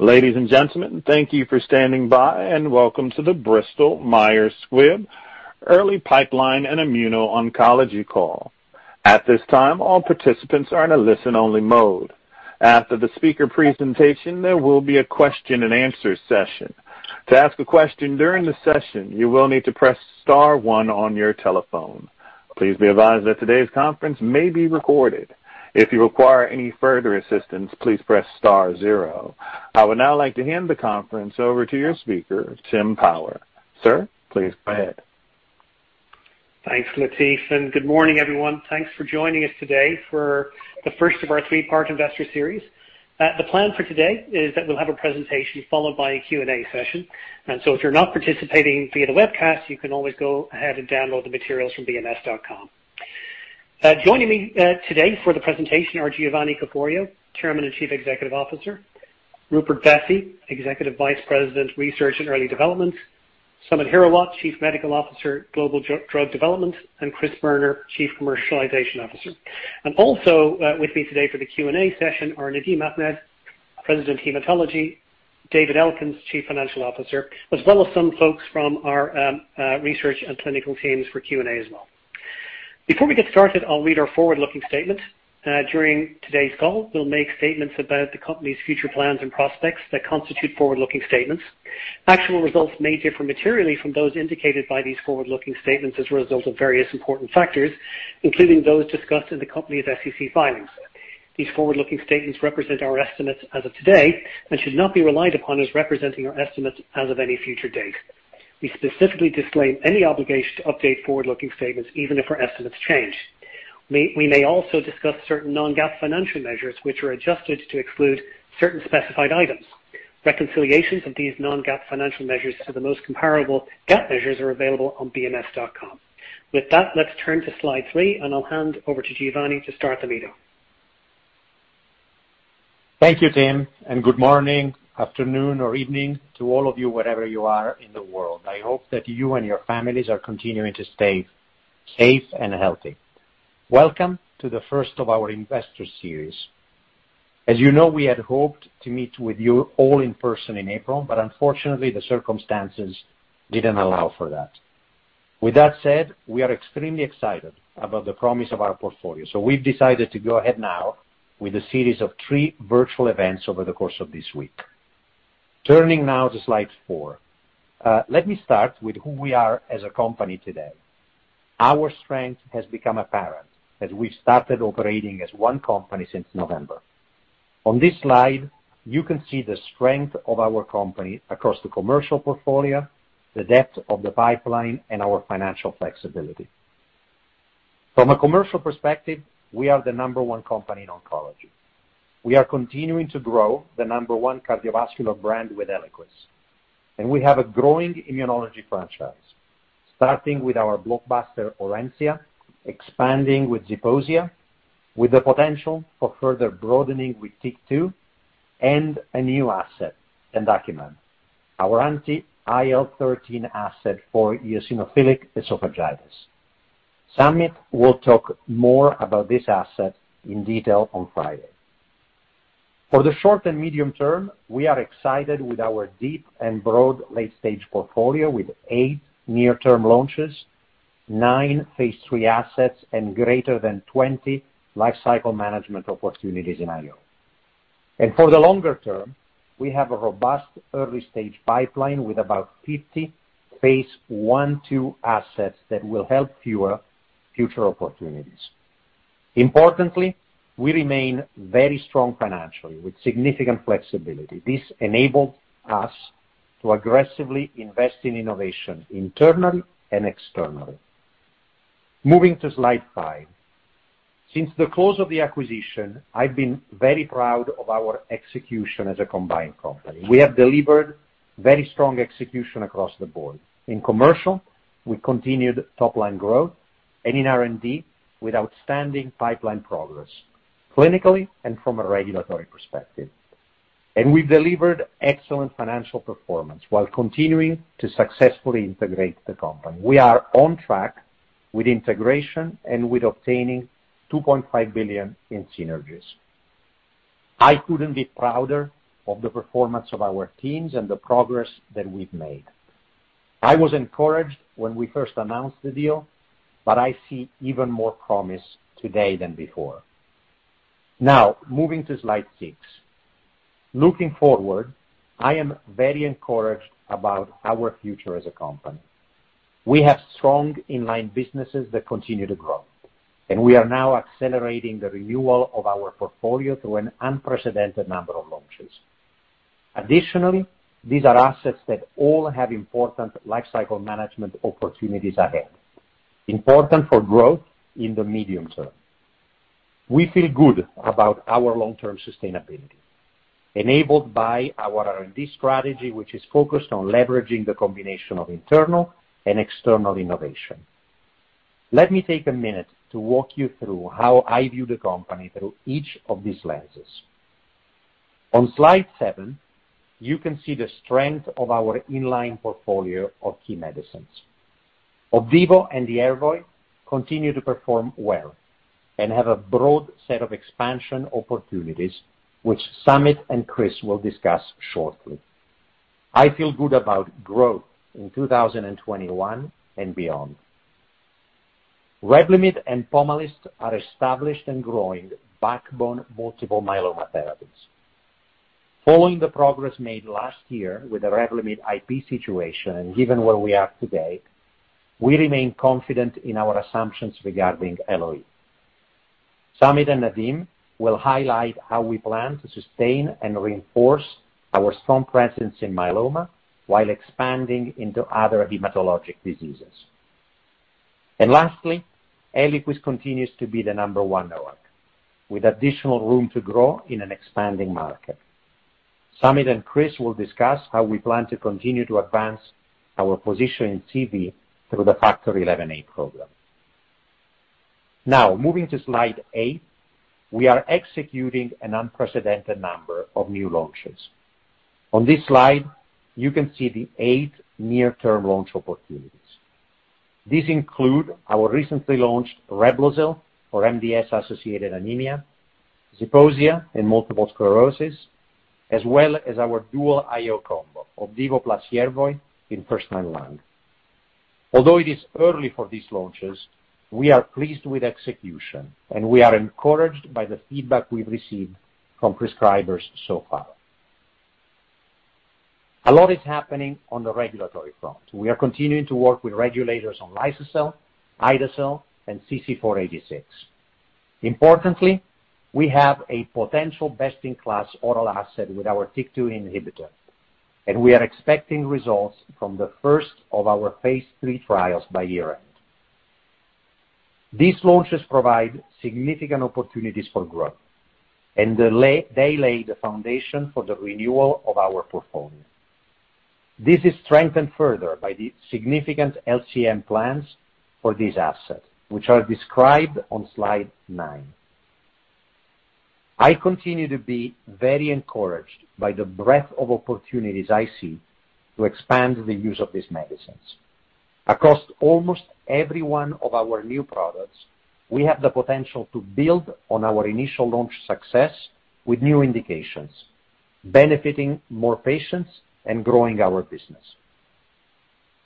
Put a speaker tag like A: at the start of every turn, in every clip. A: Ladies and gentlemen, thank you for standing by, and welcome to the Bristol Myers Squibb Early Pipeline and Immuno-Oncology call. At this time, all participants are in a listen-only mode. After the speaker presentation, there will be a question-and-answer session. To ask a question during the session, you will need to press star one on your telephone. Please be advised that today's conference may be recorded. If you require any further assistance, please press star zero. I would now like to hand the conference over to your speaker, Tim Power. Sir, please go ahead.
B: Thanks, Latif, and good morning, everyone. Thanks for joining us today for the first of our three-part investor series. The plan for today is that we'll have a presentation followed by a Q&A session. If you're not participating via the webcast, you can always go ahead and download the materials from bms.com. Joining me today for the presentation are Giovanni Caforio, Chairman and Chief Executive Officer, Rupert Vessey, Executive Vice President, Research and Early Development, Samit Hirawat, Chief Medical Officer, Global Drug Development, and Chris Boerner, Chief Commercialization Officer. Also with me today for the Q&A session are Nadim Ahmed, President of Hematology, David Elkins, Chief Financial Officer, as well as some folks from our research and clinical teams for Q&A as well. Before we get started, I'll read our forward-looking statement. During today's call, we'll make statements about the company's future plans and prospects that constitute forward-looking statements. Actual results may differ materially from those indicated by these forward-looking statements as a result of various important factors, including those discussed in the company's SEC filings. These forward-looking statements represent our estimates as of today and should not be relied upon as representing our estimates as of any future date. We specifically disclaim any obligation to update forward-looking statements even if our estimates change. We may also discuss certain non-GAAP financial measures which are adjusted to exclude certain specified items. Reconciliations of these non-GAAP financial measures to the most comparable GAAP measures are available on bms.com. Let's turn to slide three and I'll hand over to Giovanni Caforio to start the meeting.
C: Thank you, Tim. Good morning, afternoon or evening to all of you wherever you are in the world. I hope that you and your families are continuing to stay safe and healthy. Welcome to the first of our investor series. As you know, we had hoped to meet with you all in person in April, but unfortunately, the circumstances didn't allow for that. With that said, we are extremely excited about the promise of our portfolio. We've decided to go ahead now with a series of three virtual events over the course of this week. Turning now to slide four. Let me start with who we are as a company today. Our strength has become apparent as we've started operating as one company since November. On this slide, you can see the strength of our company across the commercial portfolio, the depth of the pipeline, and our financial flexibility. From a commercial perspective, we are the number one company in oncology. We are continuing to grow the number one cardiovascular brand with Eliquis, and we have a growing immunology franchise, starting with our blockbuster ORENCIA, expanding with ZEPOSIA, with the potential for further broadening with TYK2 and a new asset, cendakimab, our anti-IL-13 asset for eosinophilic esophagitis. Samit will talk more about this asset in detail on Friday. For the short and medium term, we are excited with our deep and broad late-stage portfolio with eight near-term launches, nine phase III assets, and greater than 20 life cycle management opportunities in IO. For the longer term, we have a robust early-stage pipeline with about 50 phase I, II assets that will help fuel future opportunities. Importantly, we remain very strong financially with significant flexibility. This enables us to aggressively invest in innovation internally and externally. Moving to slide five. Since the close of the acquisition, I've been very proud of our execution as a combined company. We have delivered very strong execution across the board. In commercial, we continued top-line growth and in R&D with outstanding pipeline progress, clinically and from a regulatory perspective. We've delivered excellent financial performance while continuing to successfully integrate the company. We are on track with integration and with obtaining $2.5 billion in synergies. I couldn't be prouder of the performance of our teams and the progress that we've made. I was encouraged when we first announced the deal, but I see even more promise today than before. Moving to slide six. Looking forward, I am very encouraged about our future as a company. We have strong in-line businesses that continue to grow, and we are now accelerating the renewal of our portfolio through an unprecedented number of launches. Additionally, these are assets that all have important life cycle management opportunities ahead, important for growth in the medium term. We feel good about our long-term sustainability, enabled by our R&D strategy, which is focused on leveraging the combination of internal and external innovation. Let me take a minute to walk you through how I view the company through each of these lenses. On slide seven, you can see the strength of our in-line portfolio of key medicines. OPDIVO and YERVOY continue to perform well and have a broad set of expansion opportunities, which Samit and Chris will discuss shortly. I feel good about growth in 2021 and beyond. REVLIMID and POMALYST are established and growing backbone multiple myeloma therapies. Following the progress made last year with the REVLIMID IP situation, and given where we are today, we remain confident in our assumptions regarding LOE. Samit and Nadim will highlight how we plan to sustain and reinforce our strong presence in myeloma while expanding into other hematologic diseases. Lastly, Eliquis continues to be the number one NOAC, with additional room to grow in an expanding market. Samit and Chris will discuss how we plan to continue to advance our position in CV through the Factor XIa program. Now, moving to slide eight, we are executing an unprecedented number of new launches. On this slide, you can see the eight near-term launch opportunities. These include our recently launched REBLOZYL for MDS-associated anemia, ZEPOSIA in multiple sclerosis, as well as our dual IO combo, OPDIVO plus YERVOY, in first-line lung. It is early for these launches, we are pleased with execution, and we are encouraged by the feedback we've received from prescribers so far. A lot is happening on the regulatory front. We are continuing to work with regulators on liso-cel, ide-cel, and CC-486. Importantly, we have a potential best-in-class oral asset with our TYK2 inhibitor, and we are expecting results from the first of our phase III trials by year-end. These launches provide significant opportunities for growth, and they lay the foundation for the renewal of our portfolio. This is strengthened further by the significant LCM plans for these assets, which are described on slide nine. I continue to be very encouraged by the breadth of opportunities I see to expand the use of these medicines. Across almost every one of our new products, we have the potential to build on our initial launch success with new indications, benefiting more patients and growing our business.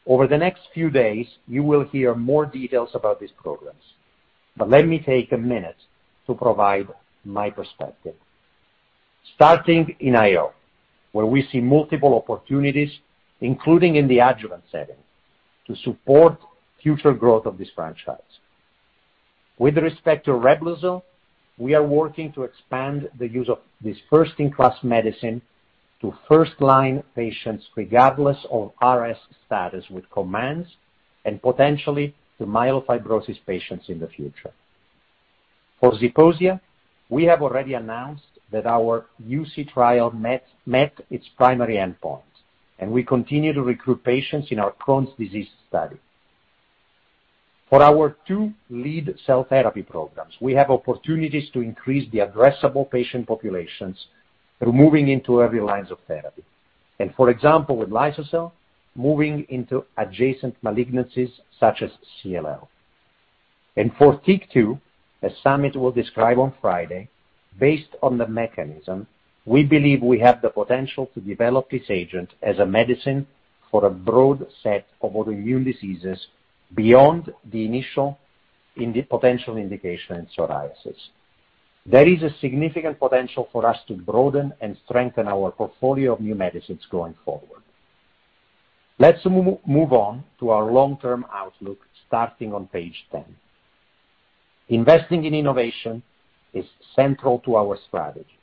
C: Over the next few days, you will hear more details about these programs. Let me take a minute to provide my perspective. Starting in IO, where we see multiple opportunities, including in the adjuvant setting, to support future growth of this franchise. With respect to REBLOZYL, we are working to expand the use of this first-in-class medicine to first-line patients, regardless of RS status with COMMANDS, and potentially to myelofibrosis patients in the future. For ZEPOSIA, we have already announced that our UC trial met its primary endpoint, and we continue to recruit patients in our Crohn's disease study. For our two lead cell therapy programs, we have opportunities to increase the addressable patient populations through moving into earlier lines of therapy. For example, with liso-cel, moving into adjacent malignancies such as CLL. For TYK2, as Samit will describe on Friday, based on the mechanism, we believe we have the potential to develop this agent as a medicine for a broad set of autoimmune diseases beyond the initial potential indication in psoriasis. There is a significant potential for us to broaden and strengthen our portfolio of new medicines going forward. Let's move on to our long-term outlook starting on page 10. Investing in innovation is central to our strategy.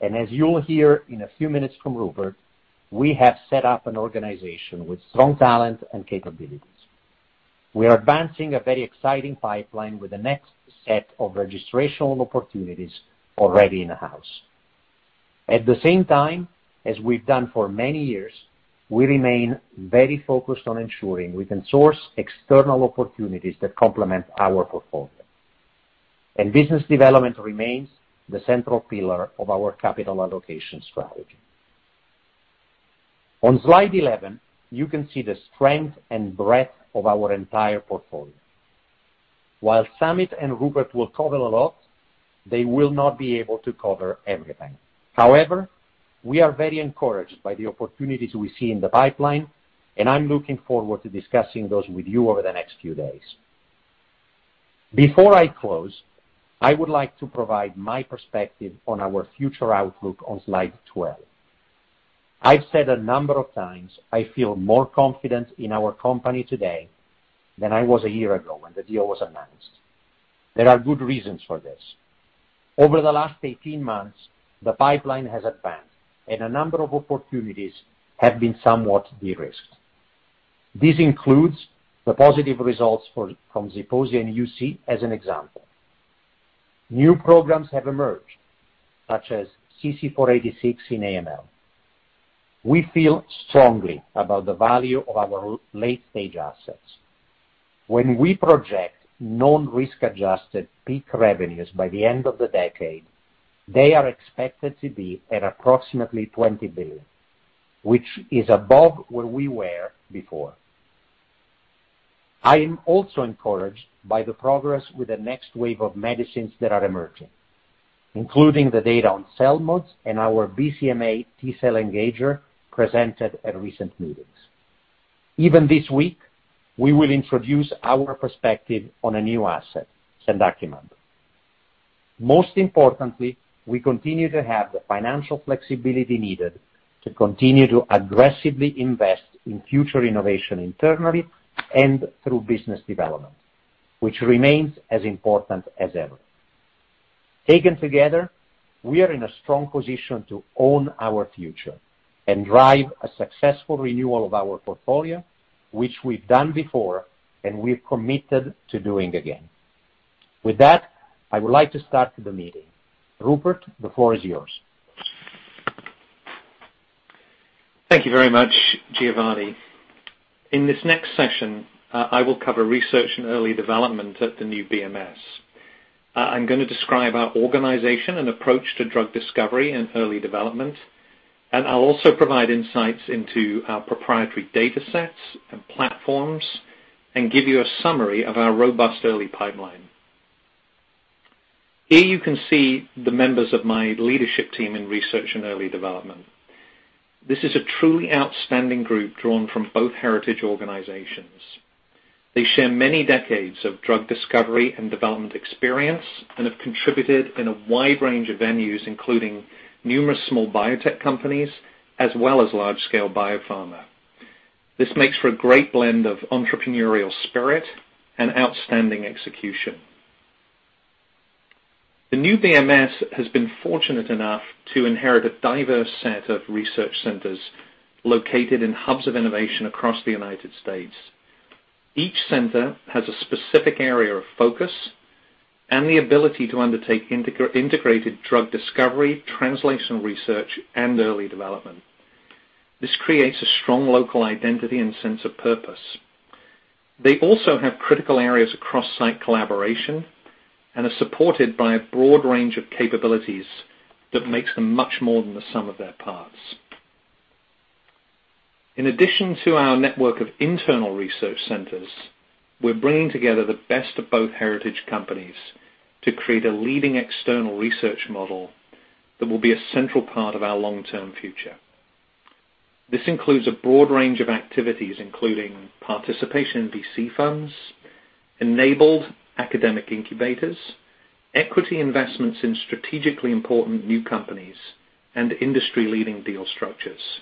C: As you'll hear in a few minutes from Rupert, we have set up an organization with strong talent and capabilities. We are advancing a very exciting pipeline with the next set of registrational opportunities already in the house. At the same time, as we've done for many years, we remain very focused on ensuring we can source external opportunities that complement our portfolio. Business development remains the central pillar of our capital allocation strategy. On slide 11, you can see the strength and breadth of our entire portfolio. While Samit and Rupert will cover a lot, they will not be able to cover everything. However, we are very encouraged by the opportunities we see in the pipeline, and I'm looking forward to discussing those with you over the next few days. Before I close, I would like to provide my perspective on our future outlook on slide 12. I've said a number of times, I feel more confident in our company today than I was a year ago when the deal was announced. There are good reasons for this. Over the last 18 months, the pipeline has advanced, and a number of opportunities have been somewhat de-risked. This includes the positive results from ZEPOSIA in UC as an example. New programs have emerged, such as CC-486 in AML. We feel strongly about the value of our late-stage assets. When we project non-risk adjusted peak revenues by the end of the decade, they are expected to be at approximately $20 billion, which is above where we were before. I am also encouraged by the progress with the next wave of medicines that are emerging, including the data on CELMoDs and our BCMA T cell engager presented at recent meetings. Even this week, we will introduce our perspective on a new asset, cendakimab. Most importantly, we continue to have the financial flexibility needed to continue to aggressively invest in future innovation internally and through business development, which remains as important as ever. Taken together, we are in a strong position to own our future and drive a successful renewal of our portfolio, which we've done before and we've committed to doing again. With that, I would like to start the meeting. Rupert, the floor is yours.
D: Thank you very much, Giovanni. In this next session, I will cover research and early development at the new BMS. I'm going to describe our organization and approach to drug discovery and early development, and I'll also provide insights into our proprietary data sets and platforms and give you a summary of our robust early pipeline. Here you can see the members of my leadership team in research and early development. This is a truly outstanding group drawn from both heritage organizations. They share many decades of drug discovery and development experience and have contributed in a wide range of venues, including numerous small biotech companies, as well as large-scale biopharma. This makes for a great blend of entrepreneurial spirit and outstanding execution. The new BMS has been fortunate enough to inherit a diverse set of research centers located in hubs of innovation across the U.S. Each center has a specific area of focus and the ability to undertake integrated drug discovery, translation research, and early development. This creates a strong local identity and sense of purpose. They also have critical areas across site collaboration and are supported by a broad range of capabilities that makes them much more than the sum of their parts. In addition to our network of internal research centers, we're bringing together the best of both heritage companies to create a leading external research model that will be a central part of our long-term future. This includes a broad range of activities, including participation in VC funds, enabled academic incubators, equity investments in strategically important new companies, and industry-leading deal structures.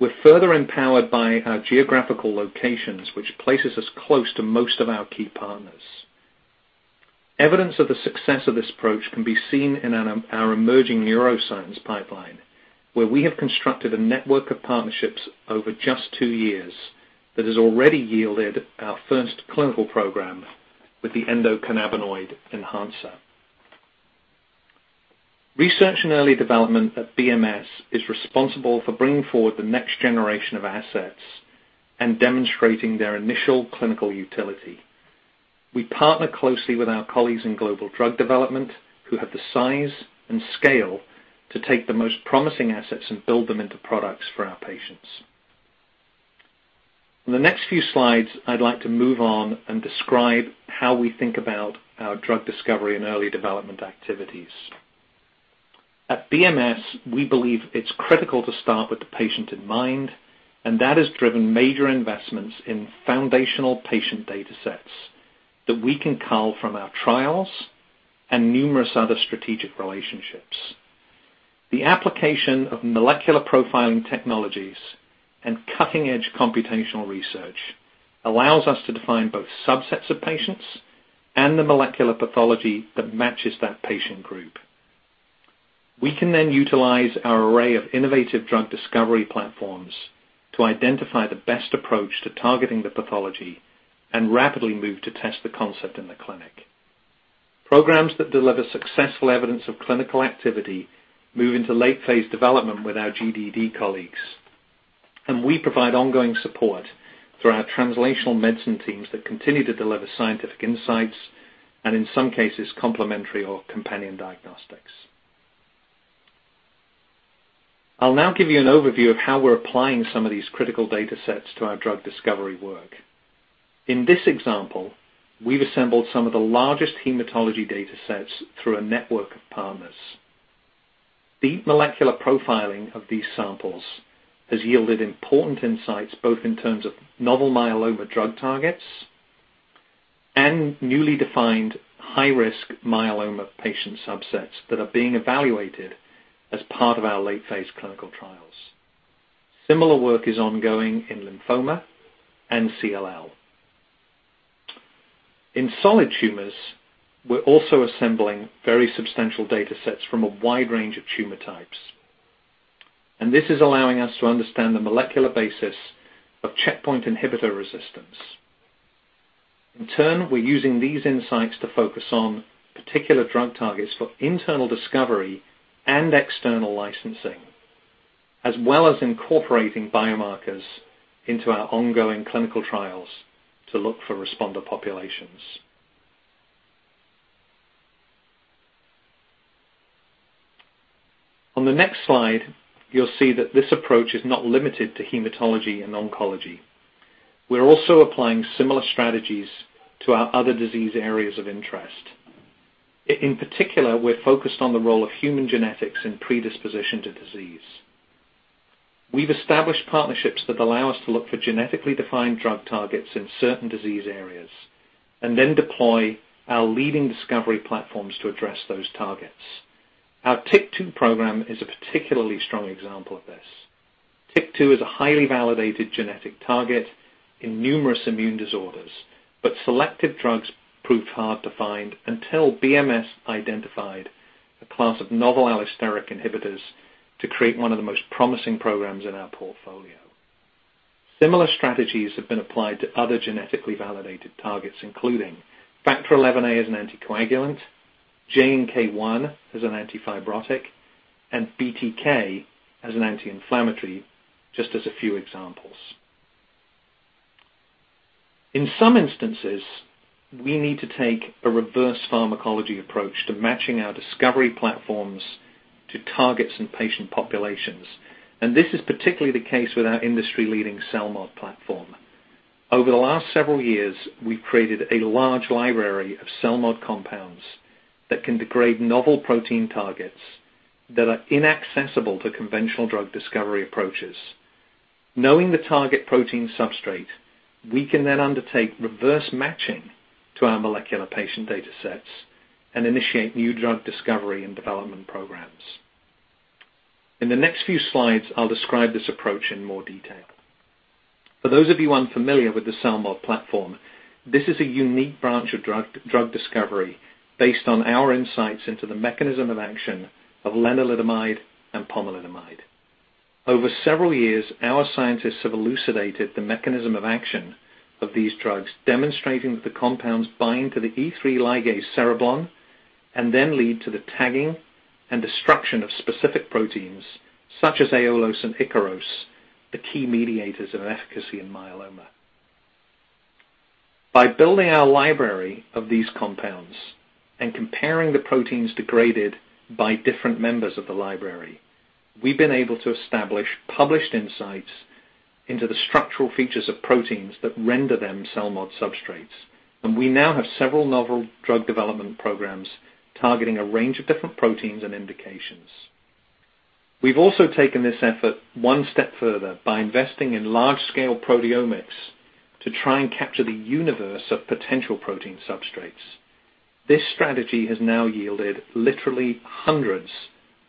D: We're further empowered by our geographical locations, which places us close to most of our key partners. Evidence of the success of this approach can be seen in our emerging neuroscience pipeline, where we have constructed a network of partnerships over just two years that has already yielded our first clinical program with the endocannabinoid enhancer. Research and early development at BMS is responsible for bringing forward the next generation of assets and demonstrating their initial clinical utility. We partner closely with our colleagues in global drug development who have the size and scale to take the most promising assets and build them into products for our patients. On the next few slides, I'd like to move on and describe how we think about our drug discovery and early development activities. At BMS, we believe it's critical to start with the patient in mind, that has driven major investments in foundational patient data sets that we can cull from our trials and numerous other strategic relationships. The application of molecular profiling technologies and cutting-edge computational research allows us to define both subsets of patients and the molecular pathology that matches that patient group. We can utilize our array of innovative drug discovery platforms to identify the best approach to targeting the pathology and rapidly move to test the concept in the clinic. Programs that deliver successful evidence of clinical activity move into late-phase development with our GDD colleagues, and we provide ongoing support through our translational medicine teams that continue to deliver scientific insights and, in some cases, complementary or companion diagnostics. I'll now give you an overview of how we're applying some of these critical data sets to our drug discovery work. In this example, we've assembled some of the largest hematology data sets through a network of partners. Deep molecular profiling of these samples has yielded important insights, both in terms of novel myeloma drug targets and newly defined high-risk myeloma patient subsets that are being evaluated as part of our late-phase clinical trials. Similar work is ongoing in lymphoma and CLL. In solid tumors, we're also assembling very substantial data sets from a wide range of tumor types, and this is allowing us to understand the molecular basis of checkpoint inhibitor resistance. We're using these insights to focus on particular drug targets for internal discovery and external licensing, as well as incorporating biomarkers into our ongoing clinical trials to look for responder populations. On the next slide, you'll see that this approach is not limited to hematology and oncology. We're also applying similar strategies to our other disease areas of interest. In particular, we're focused on the role of human genetics in predisposition to disease. We've established partnerships that allow us to look for genetically defined drug targets in certain disease areas and then deploy our leading discovery platforms to address those targets. Our TYK2 program is a particularly strong example of this. TYK2 is a highly validated genetic target in numerous immune disorders, but selective drugs proved hard to find until BMS identified a class of novel allosteric inhibitors to create one of the most promising programs in our portfolio. Similar strategies have been applied to other genetically validated targets, including factor XIa as an anticoagulant, JNK1 as an anti-fibrotic, and BTK as an anti-inflammatory, just as a few examples. In some instances, we need to take a reverse pharmacology approach to matching our discovery platforms to targets in patient populations, and this is particularly the case with our industry-leading CELMoD platform. Over the last several years, we've created a large library of CELMoD compounds that can degrade novel protein targets that are inaccessible to conventional drug discovery approaches. Knowing the target protein substrate, we can then undertake reverse matching to our molecular patient data sets and initiate new drug discovery and development programs. In the next few slides, I'll describe this approach in more detail. For those of you unfamiliar with the CELMoD platform, this is a unique branch of drug discovery based on our insights into the mechanism of action of lenalidomide and pomalidomide. Over several years, our scientists have elucidated the mechanism of action of these drugs, demonstrating that the compounds bind to the E3 ligase cereblon and then lead to the tagging and destruction of specific proteins such as Aiolos and Ikaros, the key mediators of efficacy in myeloma. By building our library of these compounds and comparing the proteins degraded by different members of the library, we've been able to establish published insights into the structural features of proteins that render them CELMoD substrates. We now have several novel drug development programs targeting a range of different proteins and indications. We've also taken this effort one step further by investing in large-scale proteomics to try and capture the universe of potential protein substrates. This strategy has now yielded literally hundreds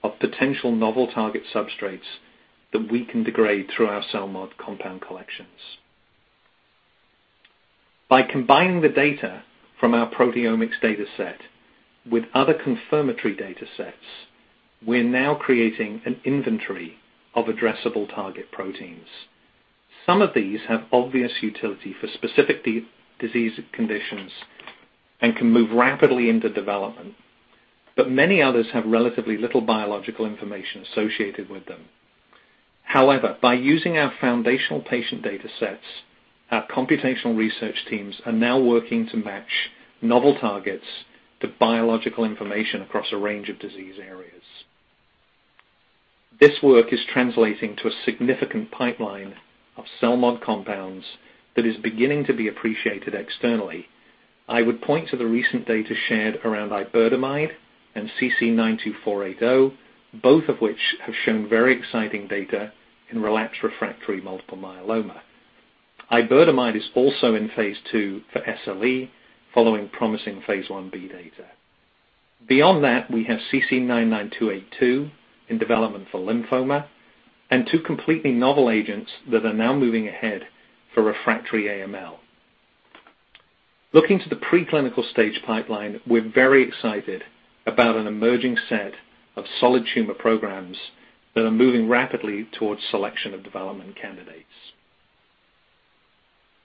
D: of potential novel target substrates that we can degrade through our CELMoD compound collections. By combining the data from our proteomics data set with other confirmatory data sets, we're now creating an inventory of addressable target proteins. Some of these have obvious utility for specific disease conditions and can move rapidly into development, but many others have relatively little biological information associated with them. However, by using our foundational patient data sets, our computational research teams are now working to match novel targets to biological information across a range of disease areas. This work is translating to a significant pipeline of CELMoD compounds that is beginning to be appreciated externally. I would point to the recent data shared around iberdomide and CC-92480, both of which have shown very exciting data in relapsed/refractory multiple myeloma. Iberdomide is also in phase II for SLE following promising phase I-B data. Beyond that, we have CC-99282 in development for lymphoma and two completely novel agents that are now moving ahead for refractory AML. Looking to the preclinical stage pipeline, we're very excited about an emerging set of solid tumor programs that are moving rapidly towards selection of development candidates.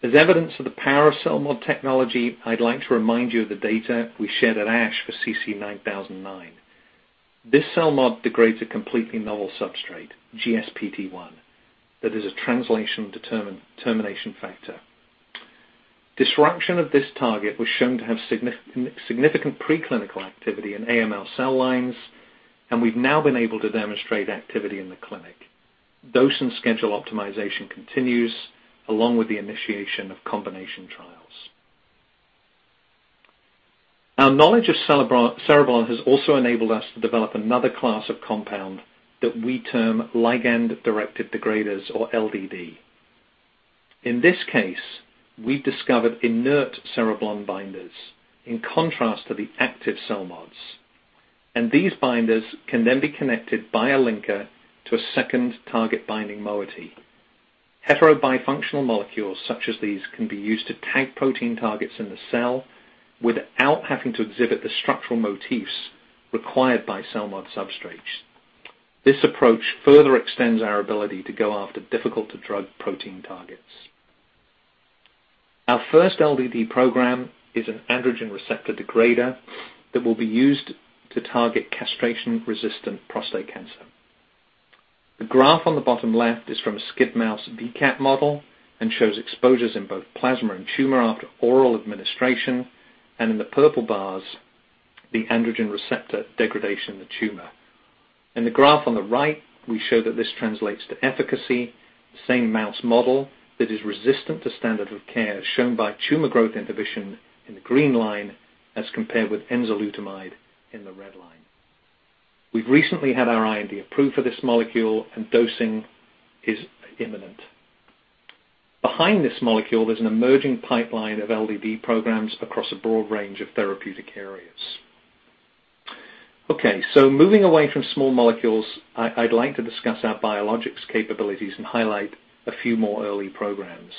D: As evidence of the power of CELMoD technology, I'd like to remind you of the data we shared at ASH for CC-90009. This CELMoD degrades a completely novel substrate, GSPT1, that is a translation termination factor. Disruption of this target was shown to have significant preclinical activity in AML cell lines, and we've now been able to demonstrate activity in the clinic. Dose and schedule optimization continues, along with the initiation of combination trials. Our knowledge of cereblon has also enabled us to develop another class of compound that we term ligand-directed degraders or LDD. In this case, we've discovered inert cereblon binders, in contrast to the active CELMoDs, and these binders can then be connected by a linker to a second target binding moiety. heterobifunctional molecules such as these can be used to tag protein targets in the cell without having to exhibit the structural motifs required by CELMoD substrates. This approach further extends our ability to go after difficult to drug protein targets. Our first LDD program is an androgen receptor degrader that will be used to target castration-resistant prostate cancer. The graph on the bottom left is from a SCID mouse VCaP model and shows exposures in both plasma and tumor after oral administration, and in the purple bars, the androgen receptor degradation of the tumor. In the graph on the right, we show that this translates to efficacy. The same mouse model that is resistant to standard of care is shown by tumor growth inhibition in the green line as compared with enzalutamide in the red line. We've recently had our IND approved for this molecule, and dosing is imminent. Behind this molecule, there's an emerging pipeline of LDD programs across a broad range of therapeutic areas. Moving away from small molecules, I'd like to discuss our biologics capabilities and highlight a few more early programs.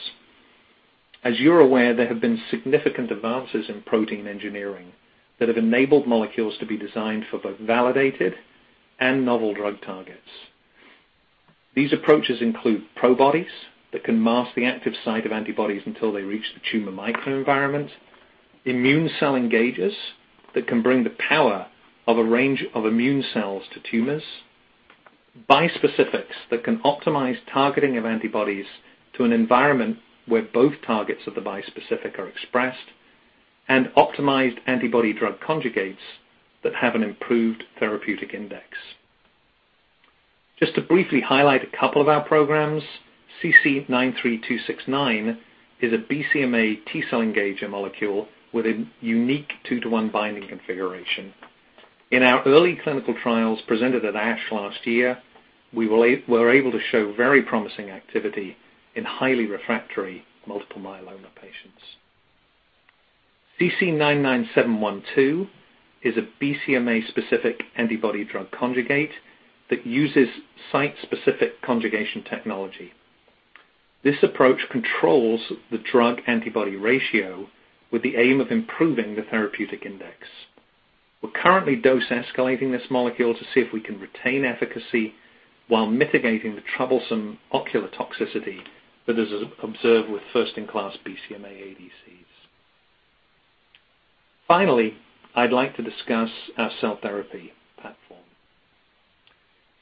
D: As you're aware, there have been significant advances in protein engineering that have enabled molecules to be designed for both validated and novel drug targets. These approaches include probodies that can mask the active site of antibodies until they reach the tumor microenvironment, immune cell engagers that can bring the power of a range of immune cells to tumors, bispecifics that can optimize targeting of antibodies to an environment where both targets of the bispecific are expressed, and optimized antibody drug conjugates that have an improved therapeutic index. Just to briefly highlight a couple of our programs, CC-93269 is a BCMA T cell engager molecule with a unique two-to-one binding configuration. In our early clinical trials presented at ASH last year, we were able to show very promising activity in highly refractory multiple myeloma patients. CC-99712 is a BCMA-specific antibody drug conjugate that uses site-specific conjugation technology. This approach controls the drug-antibody ratio with the aim of improving the therapeutic index. We're currently dose-escalating this molecule to see if we can retain efficacy while mitigating the troublesome ocular toxicity that is observed with first-in-class BCMA ADCs. Finally, I'd like to discuss our cell therapy platform.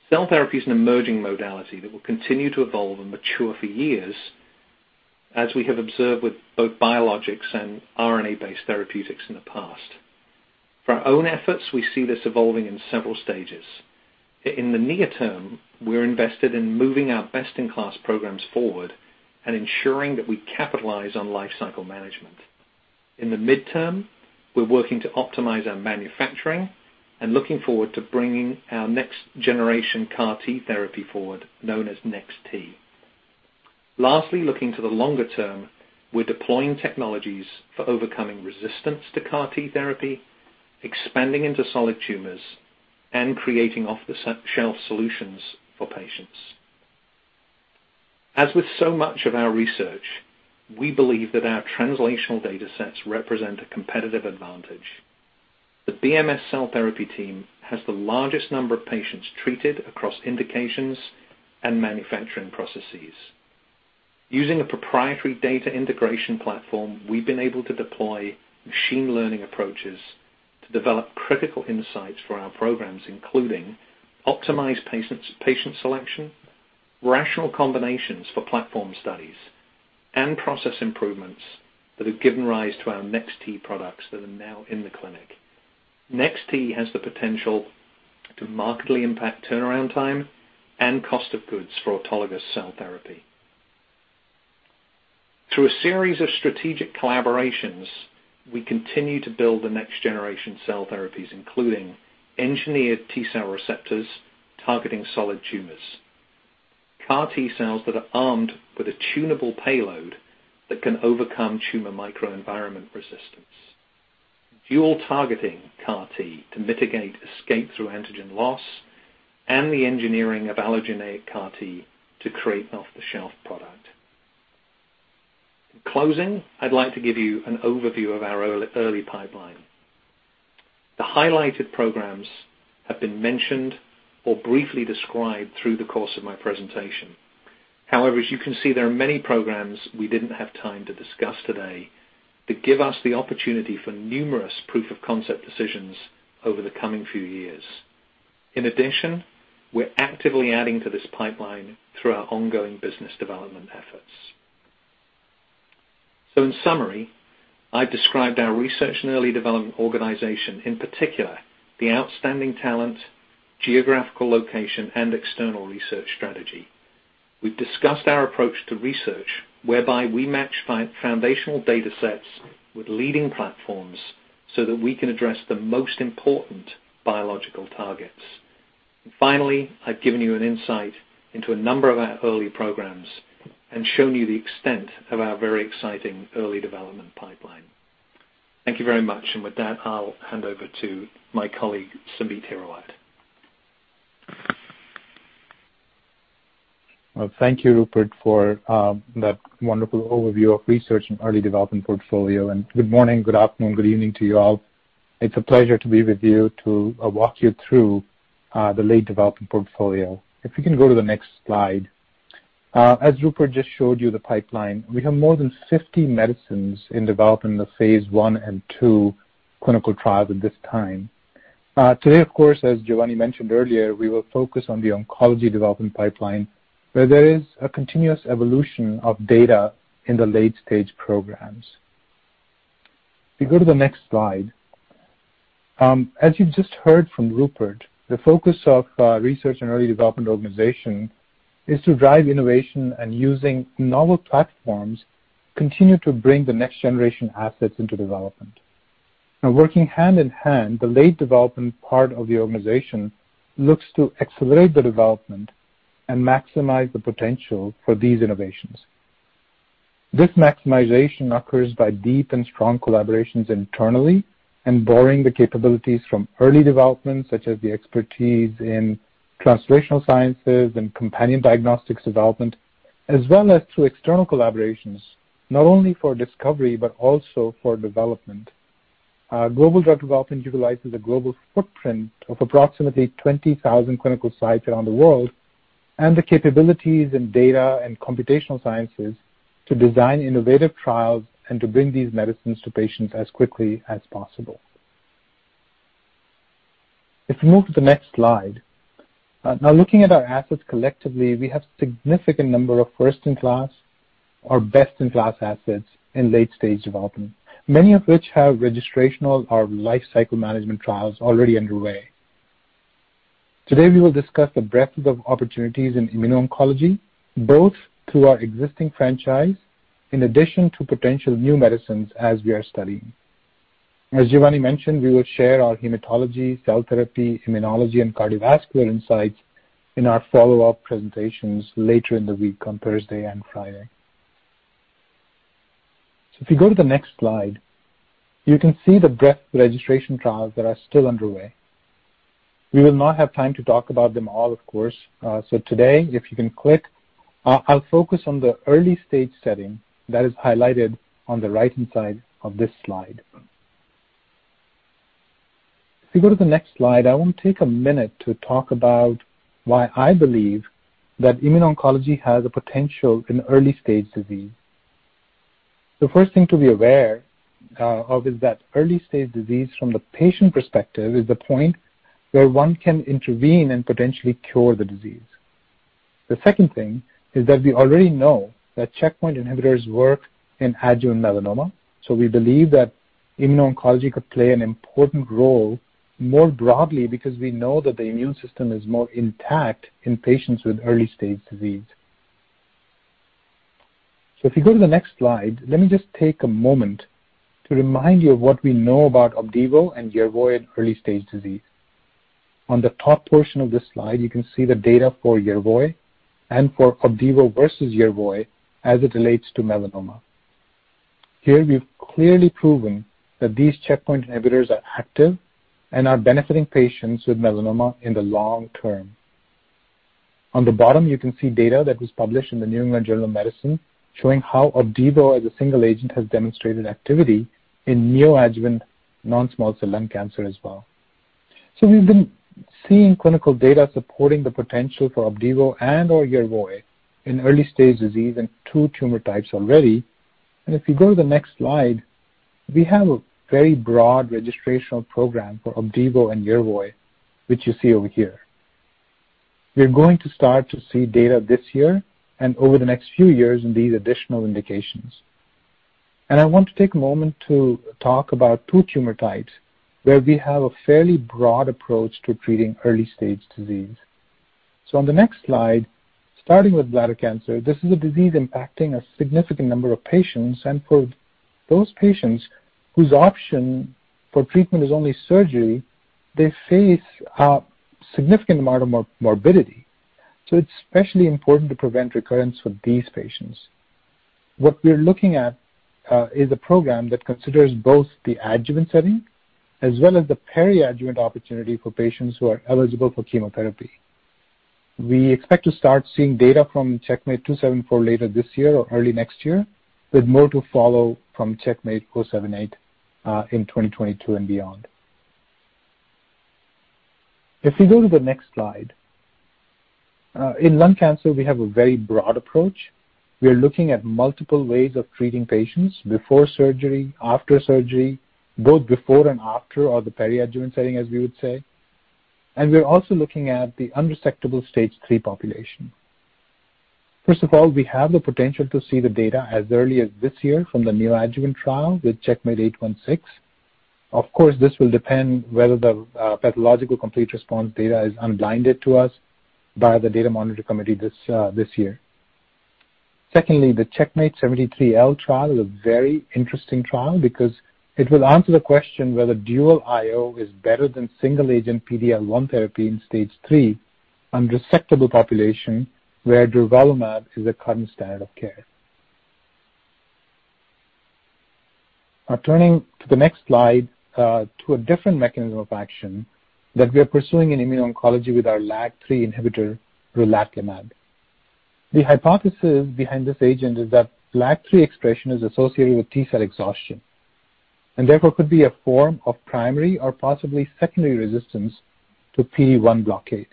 D: Cell therapy is an emerging modality that will continue to evolve and mature for years, as we have observed with both biologics and RNA-based therapeutics in the past. For our own efforts, we see this evolving in several stages. In the near term, we're invested in moving our best-in-class programs forward and ensuring that we capitalize on life cycle management. In the midterm, we're working to optimize our manufacturing and looking forward to bringing our next-generation CAR-T therapy forward, known as NEX-T. Lastly, looking to the longer term, we're deploying technologies for overcoming resistance to CAR-T therapy, expanding into solid tumors, and creating off-the-shelf solutions for patients. As with so much of our research, we believe that our translational data sets represent a competitive advantage. The BMS cell therapy team has the largest number of patients treated across indications and manufacturing processes. Using a proprietary data integration platform, we've been able to deploy machine learning approaches to develop critical insights for our programs, including optimized patient selection, rational combinations for platform studies, and process improvements that have given rise to our NEX-T products that are now in the clinic. NEX-T has the potential to markedly impact turnaround time and cost of goods for autologous cell therapy. Through a series of strategic collaborations, we continue to build the next-generation cell therapies, including engineered T cell receptors targeting solid tumors, CAR-T cells that are armed with a tunable payload that can overcome tumor microenvironment resistance, dual targeting CAR-T to mitigate escape through antigen loss, and the engineering of allogeneic CAR-T to create an off-the-shelf product. In closing, I'd like to give you an overview of our early pipeline. The highlighted programs have been mentioned or briefly described through the course of my presentation. As you can see, there are many programs we didn't have time to discuss today that give us the opportunity for numerous proof-of-concept decisions over the coming few years. We're actively adding to this pipeline through our ongoing business development efforts. In summary, I've described our research and early development organization, in particular, the outstanding talent, geographical location, and external research strategy. We've discussed our approach to research, whereby we match foundational data sets with leading platforms so that we can address the most important biological targets. Finally, I've given you an insight into a number of our early programs and shown you the extent of our very exciting early development pipeline. Thank you very much. With that, I'll hand over to my colleague, Samit Hirawat.
E: Well, thank you, Rupert, for that wonderful overview of Research and Early Development portfolio, good morning, good afternoon, good evening to you all. It's a pleasure to be with you to walk you through the late development portfolio. If we can go to the next slide. As Rupert just showed you the pipeline, we have more than 50 medicines in development in the phase I and II clinical trials at this time. Today, of course, as Giovanni mentioned earlier, we will focus on the oncology development pipeline, where there is a continuous evolution of data in the late-stage programs. If you go to the next slide. As you've just heard from Rupert, the focus of Research and Early Development organization is to drive innovation and, using novel platforms, continue to bring the next generation assets into development. Working hand in hand, the late development part of the organization looks to accelerate the development and maximize the potential for these innovations. This maximization occurs by deep and strong collaborations internally and borrowing the capabilities from early development, such as the expertise in translational sciences and companion diagnostics development, as well as through external collaborations, not only for discovery but also for development. Global drug development utilizes a global footprint of approximately 20,000 clinical sites around the world and the capabilities in data and computational sciences to design innovative trials and to bring these medicines to patients as quickly as possible. If you move to the next slide. Looking at our assets collectively, we have significant number of first-in-class or best-in-class assets in late-stage development, many of which have registrational or Life Cycle Management trials already underway. Today, we will discuss the breadth of opportunities in immuno-oncology, both through our existing franchise in addition to potential new medicines as we are studying. As Giovanni mentioned, we will share our hematology, cell therapy, immunology, and cardiovascular insights in our follow-up presentations later in the week on Thursday and Friday. If you go to the next slide, you can see the breadth of registration trials that are still underway. We will not have time to talk about them all, of course. Today, if you can click, I'll focus on the early-stage setting that is highlighted on the right-hand side of this slide. If you go to the next slide, I want to take a minute to talk about why I believe that immuno-oncology has a potential in early-stage disease. The first thing to be aware of is that early-stage disease from the patient perspective is the point where one can intervene and potentially cure the disease. The second thing is that we already know that checkpoint inhibitors work in adjuvant melanoma. We believe that immuno-oncology could play an important role more broadly because we know that the immune system is more intact in patients with early-stage disease. If you go to the next slide, let me just take a moment to remind you of what we know about OPDIVO and YERVOY in early-stage disease. On the top portion of this slide, you can see the data for YERVOY and for OPDIVO versus YERVOY as it relates to melanoma. Here we've clearly proven that these checkpoint inhibitors are active and are benefiting patients with melanoma in the long term. On the bottom, you can see data that was published in the New England Journal of Medicine showing how OPDIVO as a single agent has demonstrated activity in neoadjuvant non-small cell lung cancer as well. We've been seeing clinical data supporting the potential for OPDIVO and/or YERVOY in early stage disease in two tumor types already. If you go to the next slide, we have a very broad registrational program for OPDIVO and YERVOY, which you see over here. We're going to start to see data this year and over the next few years in these additional indications. I want to take a moment to talk about two tumor types where we have a fairly broad approach to treating early-stage disease. On the next slide, starting with bladder cancer, this is a disease impacting a significant number of patients. For those patients whose option for treatment is only surgery, they face a significant amount of morbidity. It's especially important to prevent recurrence for these patients. What we're looking at is a program that considers both the adjuvant setting as well as the peri-adjuvant opportunity for patients who are eligible for chemotherapy. We expect to start seeing data from CheckMate -274 later this year or early next year, with more to follow from CheckMate -078 in 2022 and beyond. If we go to the next slide. In lung cancer, we have a very broad approach. We are looking at multiple ways of treating patients before surgery, after surgery, both before and after, or the peri-adjuvant setting, as we would say. We're also looking at the unresectable stage 3 population. First of all, we have the potential to see the data as early as this year from the neoadjuvant trial with CheckMate -816. Of course, this will depend whether the pathological complete response data is unblinded to us by the data monitoring committee this year. Secondly, the CheckMate -73L trial is a very interesting trial because it will answer the question whether dual IO is better than single-agent PD-L1 therapy in stage 3 unresectable population where durvalumab is a current standard of care. Turning to the next slide to a different mechanism of action that we are pursuing in immuno-oncology with our LAG-3 inhibitor, relatlimab. The hypothesis behind this agent is that LAG-3 expression is associated with T cell exhaustion, and therefore could be a form of primary or possibly secondary resistance to PD-1 blockade.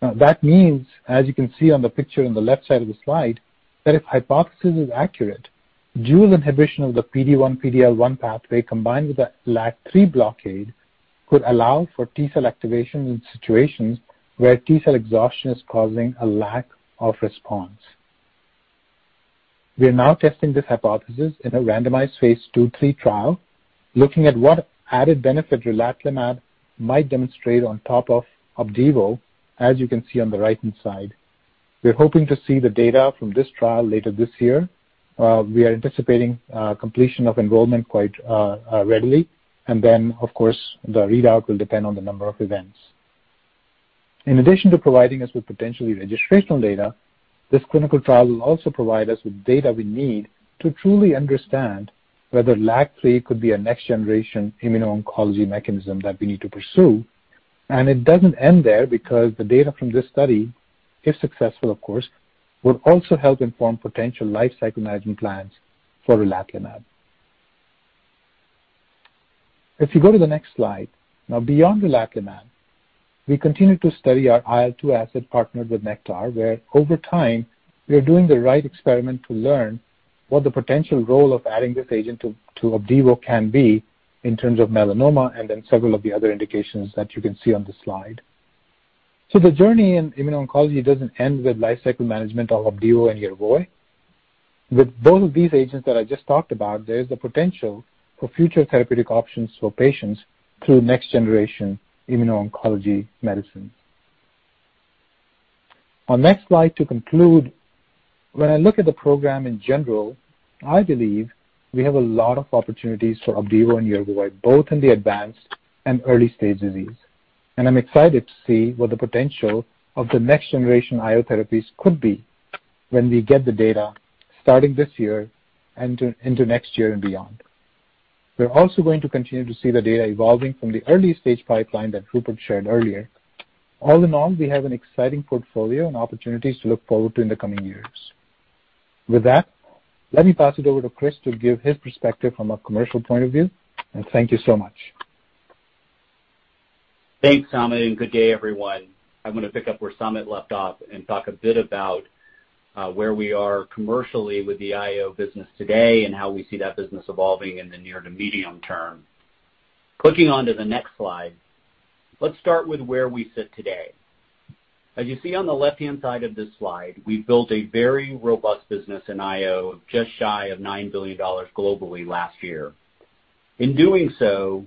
E: That means, as you can see on the picture on the left side of the slide, that if hypothesis is accurate, dual inhibition of the PD-1, PD-L1 pathway combined with the LAG-3 blockade could allow for T cell activation in situations where T cell exhaustion is causing a lack of response. We are now testing this hypothesis in a randomized phase II/III trial, looking at what added benefit relatlimab might demonstrate on top of OPDIVO, as you can see on the right-hand side. We're hoping to see the data from this trial later this year. We are anticipating completion of enrollment quite readily. Then of course, the readout will depend on the number of events. In addition to providing us with potentially registrational data, this clinical trial will also provide us with data we need to truly understand whether LAG-3 could be a next generation immuno-oncology mechanism that we need to pursue. It doesn't end there, because the data from this study, if successful of course, will also help inform potential life cycle management plans for relatlimab. If you go to the next slide, now beyond relatlimab, we continue to study our IL-2 asset partnered with Nektar, where over time we are doing the right experiment to learn what the potential role of adding this agent to OPDIVO can be in terms of melanoma, and then several of the other indications that you can see on the slide. The journey in immuno-oncology doesn't end with life cycle management of OPDIVO and YERVOY. With both of these agents that I just talked about, there is the potential for future therapeutic options for patients through next generation immuno-oncology medicines. Our next slide to conclude. When I look at the program in general, I believe we have a lot of opportunities for OPDIVO and YERVOY, both in the advanced and early-stage disease. I'm excited to see what the potential of the next generation IO therapies could be when we get the data starting this year and into next year and beyond. We're also going to continue to see the data evolving from the early-stage pipeline that Rupert shared earlier. All in all, we have an exciting portfolio and opportunities to look forward to in the coming years. With that, let me pass it over to Chris to give his perspective from a commercial point of view. Thank you so much.
F: Thanks, Samit, and good day, everyone. I'm going to pick up where Samit left off and talk a bit about where we are commercially with the IO business today, and how we see that business evolving in the near to medium term. Clicking on to the next slide. Let's start with where we sit today. As you see on the left-hand side of this slide, we've built a very robust business in IO of just shy of $9 billion globally last year. In doing so,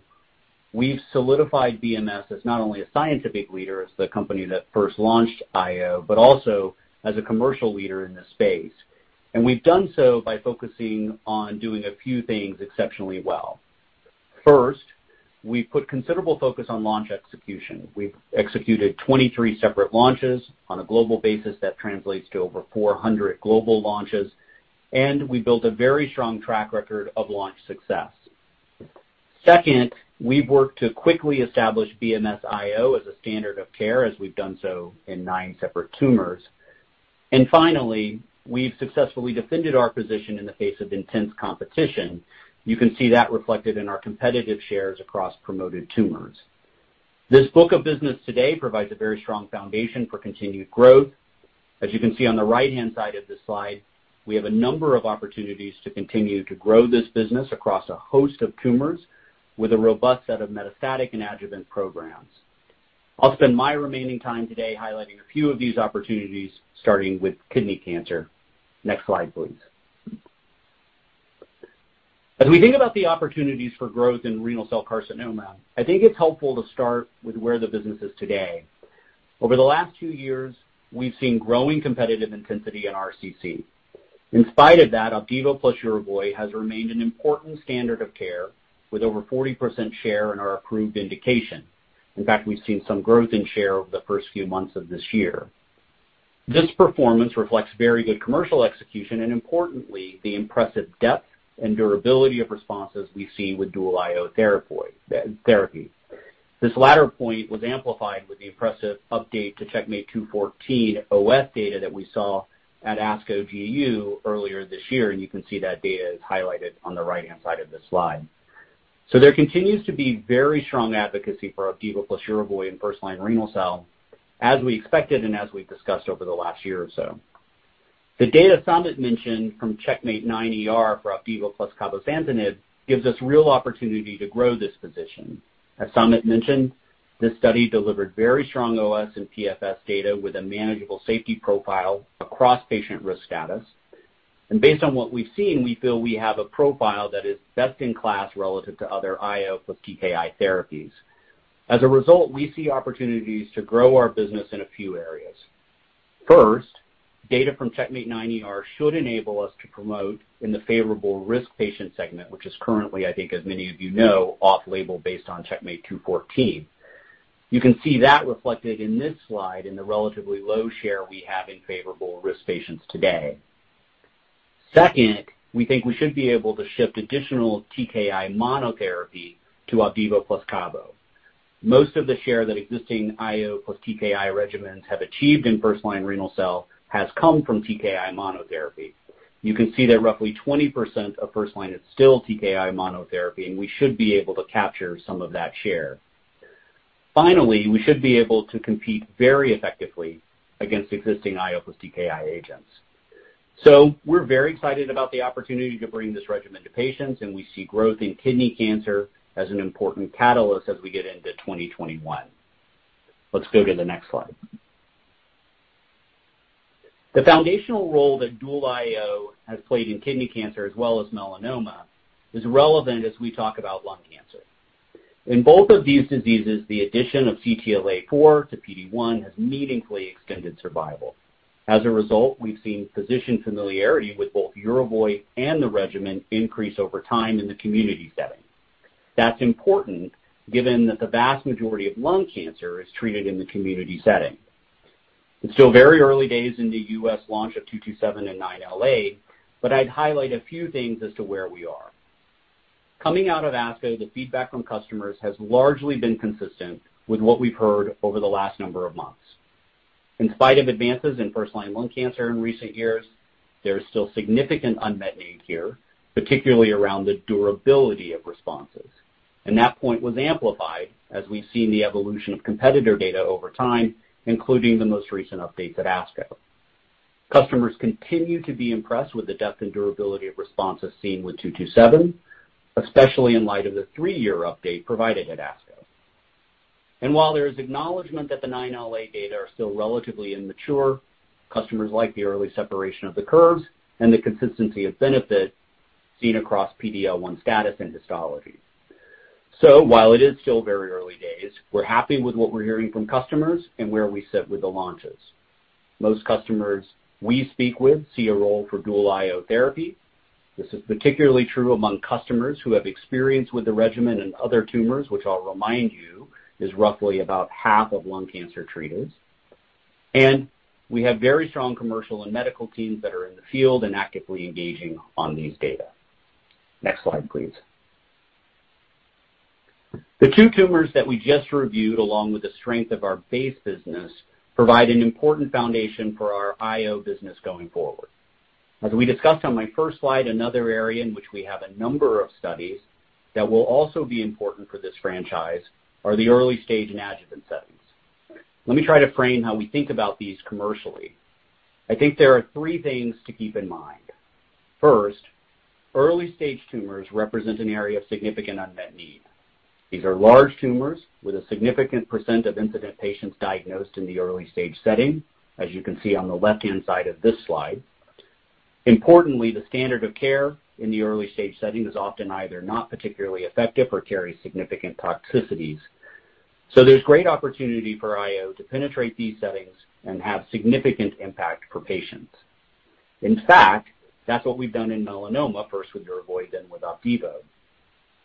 F: we've solidified BMS as not only a scientific leader as the company that first launched IO, but also as a commercial leader in this space. We've done so by focusing on doing a few things exceptionally well. First, we've put considerable focus on launch execution. We've executed 23 separate launches on a global basis that translates to over 400 global launches. We built a very strong track record of launch success. Second, we've worked to quickly establish BMS IO as a standard of care as we've done so in nine separate tumors. Finally, we've successfully defended our position in the face of intense competition. You can see that reflected in our competitive shares across promoted tumors. This book of business today provides a very strong foundation for continued growth. As you can see on the right-hand side of this slide, we have a number of opportunities to continue to grow this business across a host of tumors with a robust set of metastatic and adjuvant programs. I'll spend my remaining time today highlighting a few of these opportunities, starting with kidney cancer. Next slide, please. As we think about the opportunities for growth in renal cell carcinoma, I think it's helpful to start with where the business is today. Over the last two years, we've seen growing competitive intensity in RCC. In spite of that, OPDIVO plus YERVOY has remained an important standard of care with over 40% share in our approved indication. In fact, we've seen some growth in share over the first few months of this year. This performance reflects very good commercial execution and importantly, the impressive depth and durability of responses we see with dual IO therapy. This latter point was amplified with the impressive update to CheckMate -214 OS data that we saw at ASCO GU earlier this year, and you can see that data is highlighted on the right-hand side of the slide. There continues to be very strong advocacy for OPDIVO plus YERVOY in first-line renal cell, as we expected and as we've discussed over the last year or so. The data Samit mentioned from CheckMate -9ER for OPDIVO plus cabozantinib gives us real opportunity to grow this position. As Samit mentioned, this study delivered very strong OS and PFS data with a manageable safety profile across patient risk status. Based on what we've seen, we feel we have a profile that is best in class relative to other IO plus TKI therapies. As a result, we see opportunities to grow our business in a few areas. Data from CheckMate -9ER should enable us to promote in the favorable risk patient segment, which is currently, I think as many of you know, off-label based on CheckMate -214. You can see that reflected in this slide in the relatively low share we have in favorable risk patients today. Second, we think we should be able to shift additional TKI monotherapy to OPDIVO plus cabo. Most of the share that existing IO plus TKI regimens have achieved in first-line renal cell has come from TKI monotherapy. You can see that roughly 20% of first line is still TKI monotherapy, and we should be able to capture some of that share. We should be able to compete very effectively against existing IO plus TKI agents. We're very excited about the opportunity to bring this regimen to patients, and we see growth in kidney cancer as an important catalyst as we get into 2021. Let's go to the next slide. The foundational role that dual IO has played in kidney cancer as well as melanoma is relevant as we talk about lung cancer. In both of these diseases, the addition of CTLA-4 to PD-1 has meaningfully extended survival. As a result, we've seen physician familiarity with both YERVOY and the regimen increase over time in the community setting. That's important given that the vast majority of lung cancer is treated in the community setting. It's still very early days in the U.S. launch of 227 and 9LA, but I'd highlight a few things as to where we are. Coming out of ASCO, the feedback from customers has largely been consistent with what we've heard over the last number of months. In spite of advances in first-line lung cancer in recent years, there is still significant unmet need here, particularly around the durability of responses. That point was amplified as we've seen the evolution of competitor data over time, including the most recent updates at ASCO. Customers continue to be impressed with the depth and durability of responses seen with 227, especially in light of the three-year update provided at ASCO. While there is acknowledgment that the 9LA data are still relatively immature, customers like the early separation of the curves and the consistency of benefit seen across PD-L1 status and histology. While it is still very early days, we're happy with what we're hearing from customers and where we sit with the launches. Most customers we speak with see a role for dual IO therapy. This is particularly true among customers who have experience with the regimen and other tumors, which I'll remind you is roughly about half of lung cancer treaters. We have very strong commercial and medical teams that are in the field and actively engaging on these data. Next slide, please. The two tumors that we just reviewed, along with the strength of our base business, provide an important foundation for our IO business going forward. As we discussed on my first slide, another area in which we have a number of studies that will also be important for this franchise are the early stage and adjuvant settings. Let me try to frame how we think about these commercially. I think there are three things to keep in mind. Early stage tumors represent an area of significant unmet need. These are large tumors with a significant percent of incident patients diagnosed in the early stage setting, as you can see on the left-hand side of this slide. Importantly, the standard of care in the early stage setting is often either not particularly effective or carries significant toxicities. There's great opportunity for IO to penetrate these settings and have significant impact for patients. In fact, that's what we've done in melanoma, first with YERVOY, then with OPDIVO.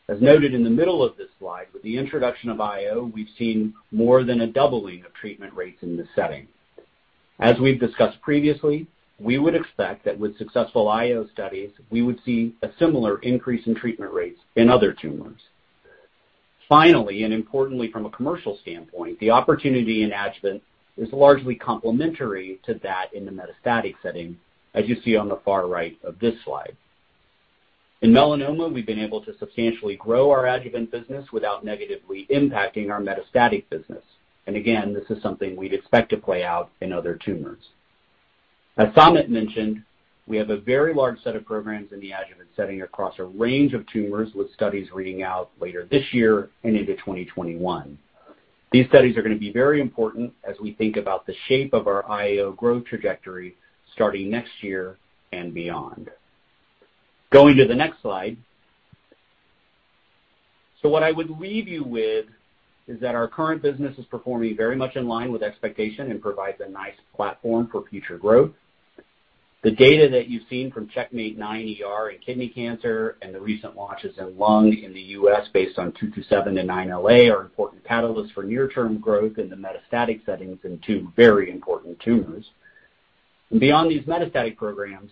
F: As noted in the middle of this slide, with the introduction of IO, we've seen more than a doubling of treatment rates in this setting. As we've discussed previously, we would expect that with successful IO studies, we would see a similar increase in treatment rates in other tumors. Finally, importantly from a commercial standpoint, the opportunity in adjuvant is largely complementary to that in the metastatic setting, as you see on the far right of this slide. In melanoma, we've been able to substantially grow our adjuvant business without negatively impacting our metastatic business. Again, this is something we'd expect to play out in other tumors. As Samit mentioned, we have a very large set of programs in the adjuvant setting across a range of tumors, with studies reading out later this year and into 2021. These studies are going to be very important as we think about the shape of our IO growth trajectory starting next year and beyond. Going to the next slide. What I would leave you with is that our current business is performing very much in line with expectation and provides a nice platform for future growth. The data that you've seen from CheckMate -9ER in kidney cancer and the recent launches in lung in the U.S. based on 227 and 9LA are important catalysts for near-term growth in the metastatic settings in two very important tumors. Beyond these metastatic programs,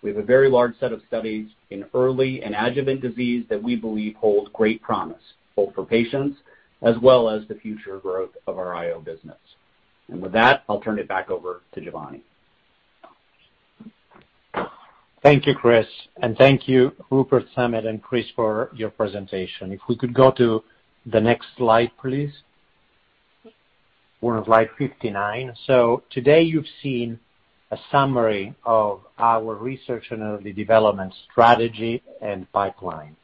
F: we have a very large set of studies in early and adjuvant disease that we believe hold great promise, both for patients as well as the future growth of our IO business. With that, I'll turn it back over to Giovanni.
C: Thank you, Chris. Thank you, Rupert, Samit, and Chris for your presentation. If we could go to the next slide, please. We're on slide 59. Today, you've seen a summary of our research and early development strategy and pipeline.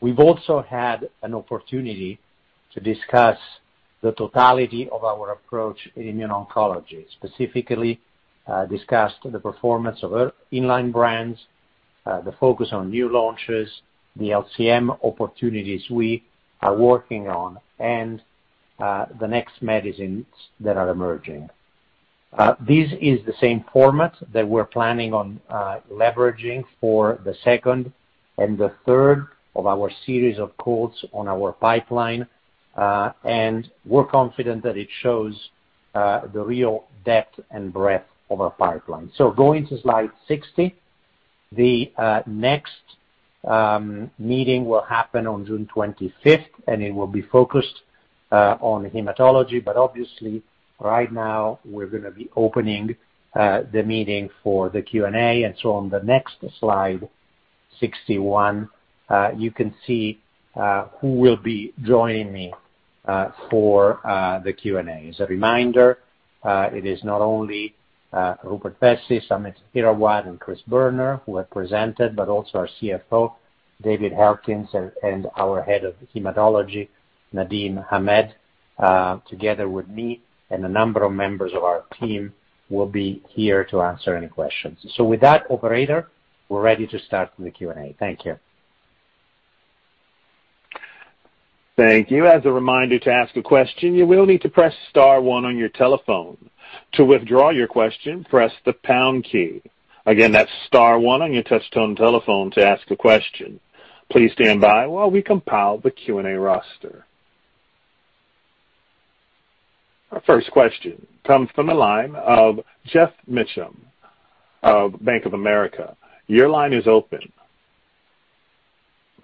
C: We've also had an opportunity to discuss the totality of our approach in immune oncology, specifically, discussed the performance of our in-line brands, the focus on new launches, the LCM opportunities we are working on, and the next medicines that are emerging. This is the same format that we're planning on leveraging for the second and the third of our series of calls on our pipeline. We're confident that it shows the real depth and breadth of our pipeline. Going to slide 60, the next meeting will happen on June 25th, and it will be focused on hematology. Obviously, right now, we're going to be opening the meeting for the Q&A. On the next slide, 61, you can see who will be joining me for the Q&A. As a reminder, it is not only Rupert Vessey, Samit Hirawat, and Chris Boerner who have presented, but also our CFO, David Elkins, and our head of hematology, Nadim Ahmed together with me, and a number of members of our team will be here to answer any questions. With that, operator, we're ready to start the Q&A. Thank you.
A: Thank you. As a reminder, to ask a question, you will need to press star one on your telephone. To withdraw your question, press the pound key. Again, that's star one on your touch-tone telephone to ask a question. Please stand by while we compile the Q&A roster. Our first question comes from the line of Geoff Meacham of Bank of America. Your line is open.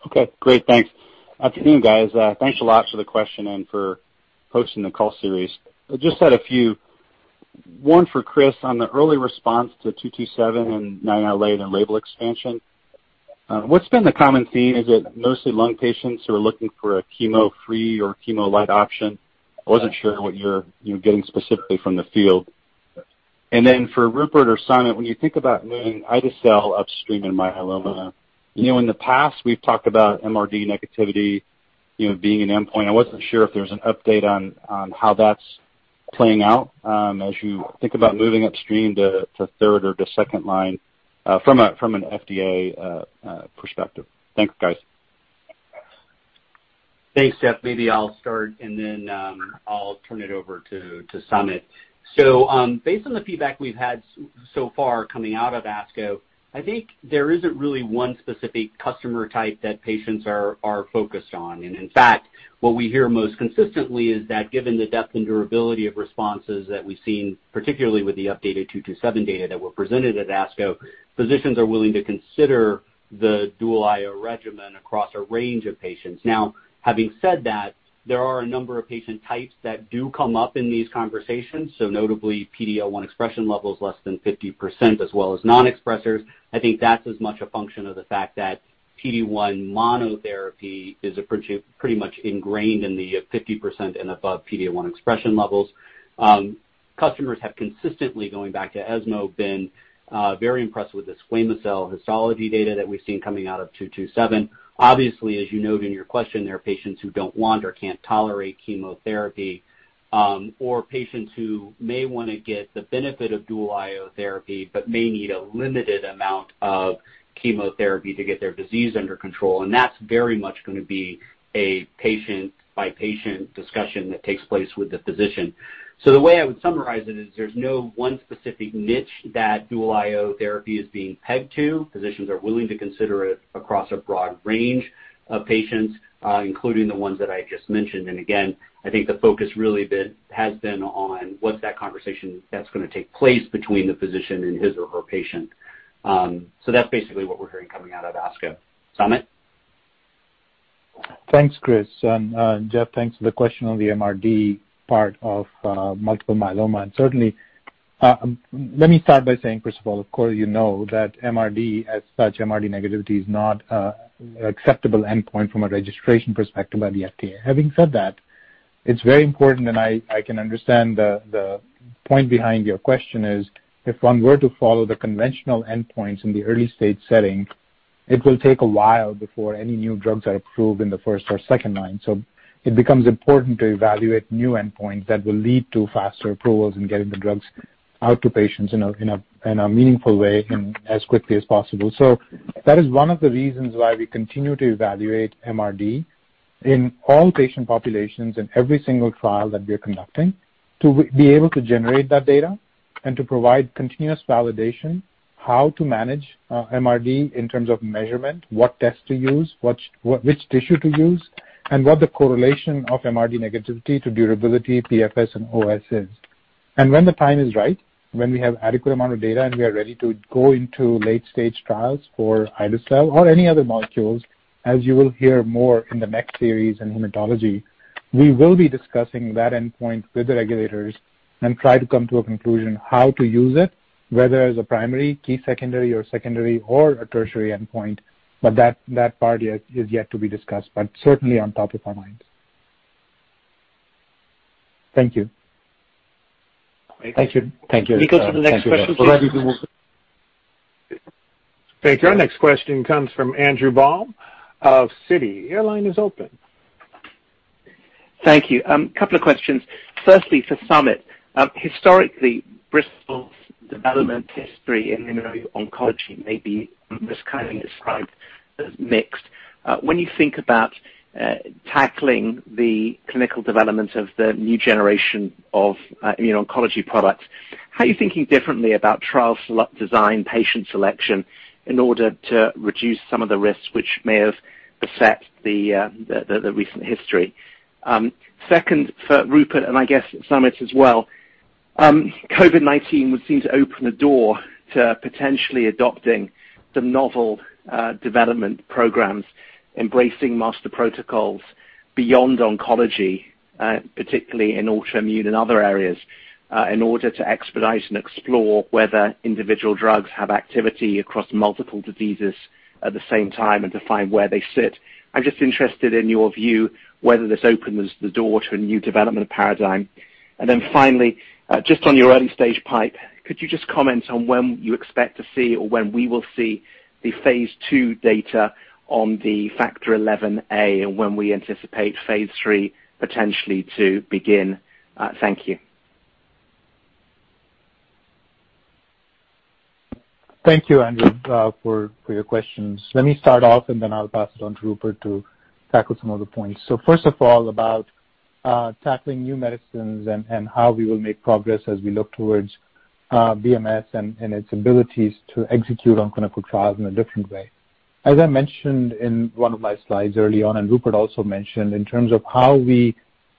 G: Okay. Great. Thanks. Afternoon, guys. Thanks a lot for the question and for hosting the call series. I just had a few. One for Chris on the early response to 227 and 9LA and label expansion. What's been the common theme? Is it mostly lung patients who are looking for a chemo-free or chemo-light option? I wasn't sure what you're getting specifically from the field. For Rupert or Samit, when you think about moving ide-cel upstream in myeloma, in the past, we've talked about MRD negativity being an endpoint. I wasn't sure if there's an update on how that's playing out as you think about moving upstream to third or to second line from an FDA perspective. Thanks, guys.
F: Thanks, Geoff. Maybe I'll start, and then I'll turn it over to Samit. Based on the feedback we've had so far coming out of ASCO, I think there isn't really one specific customer type that patients are focused on. In fact, what we hear most consistently is that given the depth and durability of responses that we've seen, particularly with the updated 227 data that were presented at ASCO, physicians are willing to consider the dual IO regimen across a range of patients. Now, having said that, there are a number of patient types that do come up in these conversations, so notably PD-L1 expression levels less than 50% as well as non-expressers. I think that's as much a function of the fact that PD-1 monotherapy is pretty much ingrained in the 50% and above PD-L1 expression levels. Customers have consistently, going back to ESMO, been very impressed with the squamous cell histology data that we've seen coming out of 227. Obviously, as you note in your question, there are patients who don't want or can't tolerate chemotherapy or patients who may want to get the benefit of dual IO therapy but may need a limited amount of chemotherapy to get their disease under control, and that's very much going to be a patient-by-patient discussion that takes place with the physician. The way I would summarize it is there's no one specific niche that dual IO therapy is being pegged to. Physicians are willing to consider it across a broad range of patients including the ones that I just mentioned. Again, I think the focus really has been on what's that conversation that's going to take place between the physician and his or her patient. That's basically what we're hearing coming out of ASCO. Samit?
E: Thanks, Chris. Geoff, thanks for the question on the MRD part of multiple myeloma, certainly, let me start by saying, first of all, of course you know that MRD as such, MRD negativity is not an acceptable endpoint from a registration perspective by the FDA. Having said that, it's very important, I can understand the point behind your question is if one were to follow the conventional endpoints in the early-stage setting, it will take a while before any new drugs are approved in the first or second line. It becomes important to evaluate new endpoints that will lead to faster approvals and getting the drugs out to patients in a meaningful way and as quickly as possible. That is one of the reasons why we continue to evaluate MRD in all patient populations in every single trial that we are conducting to be able to generate that data and to provide continuous validation, how to manage MRD in terms of measurement, what test to use, which tissue to use, and what the correlation of MRD negativity to durability, PFS, and OS is. When the time is right, when we have adequate amount of data and we are ready to go into late-stage trials for ide-cel or any other molecules, as you will hear more in the next series in hematology, we will be discussing that endpoint with the regulators and try to come to a conclusion how to use it, whether as a primary, key secondary or secondary or a tertiary endpoint. That part is yet to be discussed, but certainly on top of our minds. Thank you.
G: Thank you.
E: Thank you.
A: Our next question comes from Andrew Baum of Citi. Your line is open.
H: Thank you. Couple of questions. Firstly, for Samit. Historically, Bristol's development history in immunotherapy oncology may be unkindly described as mixed. When you think about tackling the clinical development of the new generation of immuno-oncology products, how are you thinking differently about trial design, patient selection in order to reduce some of the risks which may have beset the recent history? Second, for Rupert, and I guess Samit as well, COVID-19 would seem to open a door to potentially adopting some novel development programs, embracing master protocols beyond oncology, particularly in autoimmune and other areas, in order to expedite and explore whether individual drugs have activity across multiple diseases at the same time, and to find where they sit. I'm just interested in your view, whether this opens the door to a new development paradigm. Finally, just on your early-stage pipe, could you just comment on when you expect to see or when we will see the phase II data on the Factor XIa and when we anticipate phase III potentially to begin? Thank you.
E: Thank you, Andrew, for your questions. Let me start off, and then I'll pass it on to Rupert to tackle some of the points. First of all, about tackling new medicines and how we will make progress as we look towards BMS and its abilities to execute on clinical trials in a different way. As I mentioned in one of my slides early on, and Rupert also mentioned, in terms of how we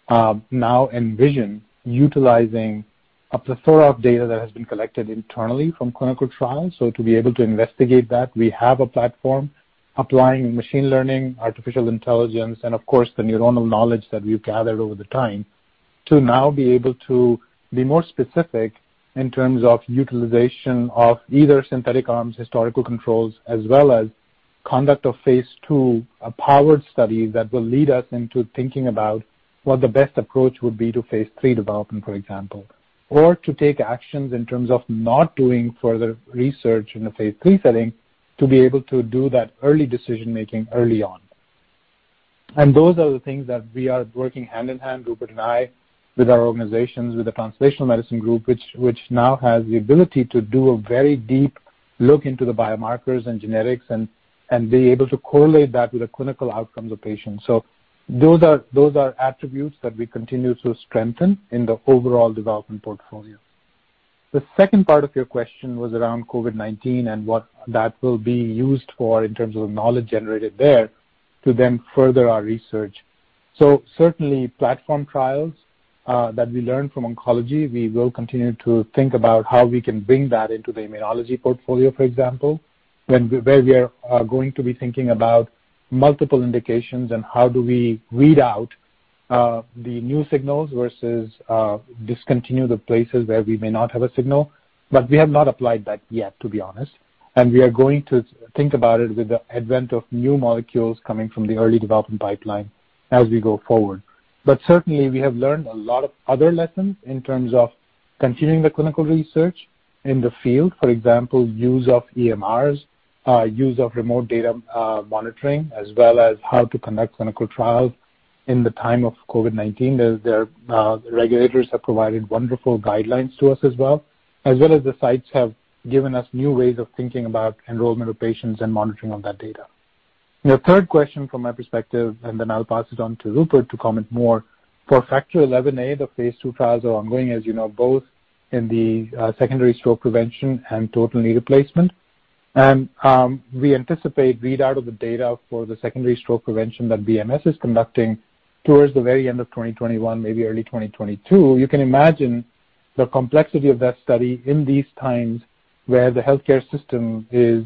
E: now envision utilizing a plethora of data that has been collected internally from clinical trials. To be able to investigate that, we have a platform applying machine learning, artificial intelligence, and of course, the newer knowledge that we've gathered over the time to now be able to be more specific in terms of utilization of either synthetic arms, historical controls. Conduct of phase II, a powered study that will lead us into thinking about what the best approach would be to phase III development, for example. To take actions in terms of not doing further research in a phase III setting to be able to do that early decision-making early on. Those are the things that we are working hand in hand, Rupert and I, with our organizations, with the translational medicine group, which now has the ability to do a very deep look into the biomarkers and genetics and be able to correlate that with the clinical outcomes of patients. Those are attributes that we continue to strengthen in the overall development portfolio. The second part of your question was around COVID-19 and what that will be used for in terms of knowledge generated there to then further our research. Certainly platform trials that we learn from oncology, we will continue to think about how we can bring that into the immunology portfolio, for example, where we are going to be thinking about multiple indications and how do we read out the new signals versus discontinue the places where we may not have a signal. We have not applied that yet, to be honest, and we are going to think about it with the advent of new molecules coming from the early development pipeline as we go forward. Certainly, we have learned a lot of other lessons in terms of continuing the clinical research in the field. For example, use of EMRs, use of remote data monitoring, as well as how to conduct clinical trials in the time of COVID-19, as the regulators have provided wonderful guidelines to us as well, as well as the sites have given us new ways of thinking about enrollment of patients and monitoring of that data. Your third question from my perspective, then I'll pass it on to Rupert to comment more. For Factor XIa, the phase II trials are ongoing, as you know, both in the secondary stroke prevention and total knee replacement. We anticipate readout of the data for the secondary stroke prevention that BMS is conducting towards the very end of 2021, maybe early 2022. You can imagine the complexity of that study in these times where the healthcare system is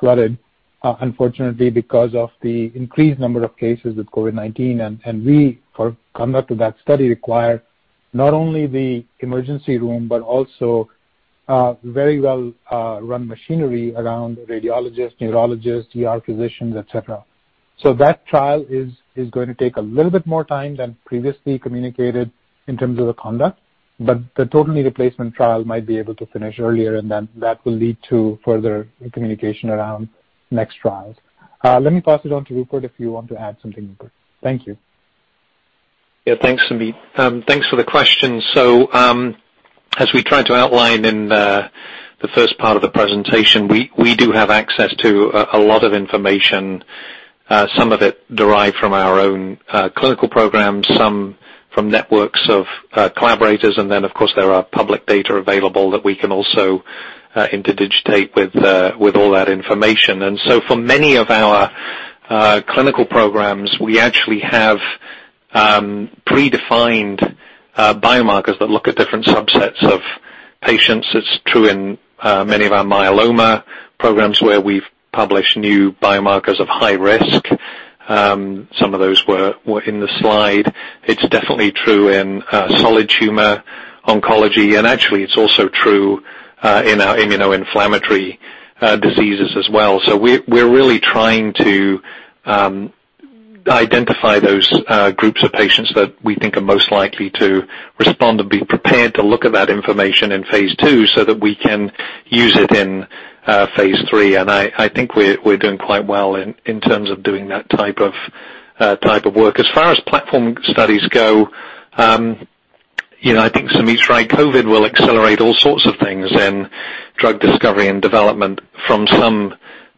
E: flooded, unfortunately, because of the increased number of cases with COVID-19. We, for conducting that study, require not only the emergency room but also very well-run machinery around radiologists, neurologists, ER physicians, et cetera. That trial is going to take a little bit more time than previously communicated in terms of the conduct. The total knee replacement trial might be able to finish earlier, and that will lead to further communication around next trials. Let me pass it on to Rupert if you want to add something, Rupert. Thank you.
D: Yeah, thanks, Samit. Thanks for the question. As we tried to outline in the first part of the presentation, we do have access to a lot of information. Some of it derived from our own clinical programs, some from networks of collaborators. Of course, there are public data available that we can also interdigitate with all that information. For many of our clinical programs, we actually have predefined biomarkers that look at different subsets of patients. It's true in many of our myeloma programs where we've published new biomarkers of high risk. Some of those were in the slide. It's definitely true in solid tumor oncology, and actually, it's also true in our immunoinflammatory diseases as well. We're really trying to identify those groups of patients that we think are most likely to respond and be prepared to look at that information in phase II so that we can use it in phase III. I think we're doing quite well in terms of doing that type of work. As far as platform studies go. I think Samit's right. COVID will accelerate all sorts of things in drug discovery and development from some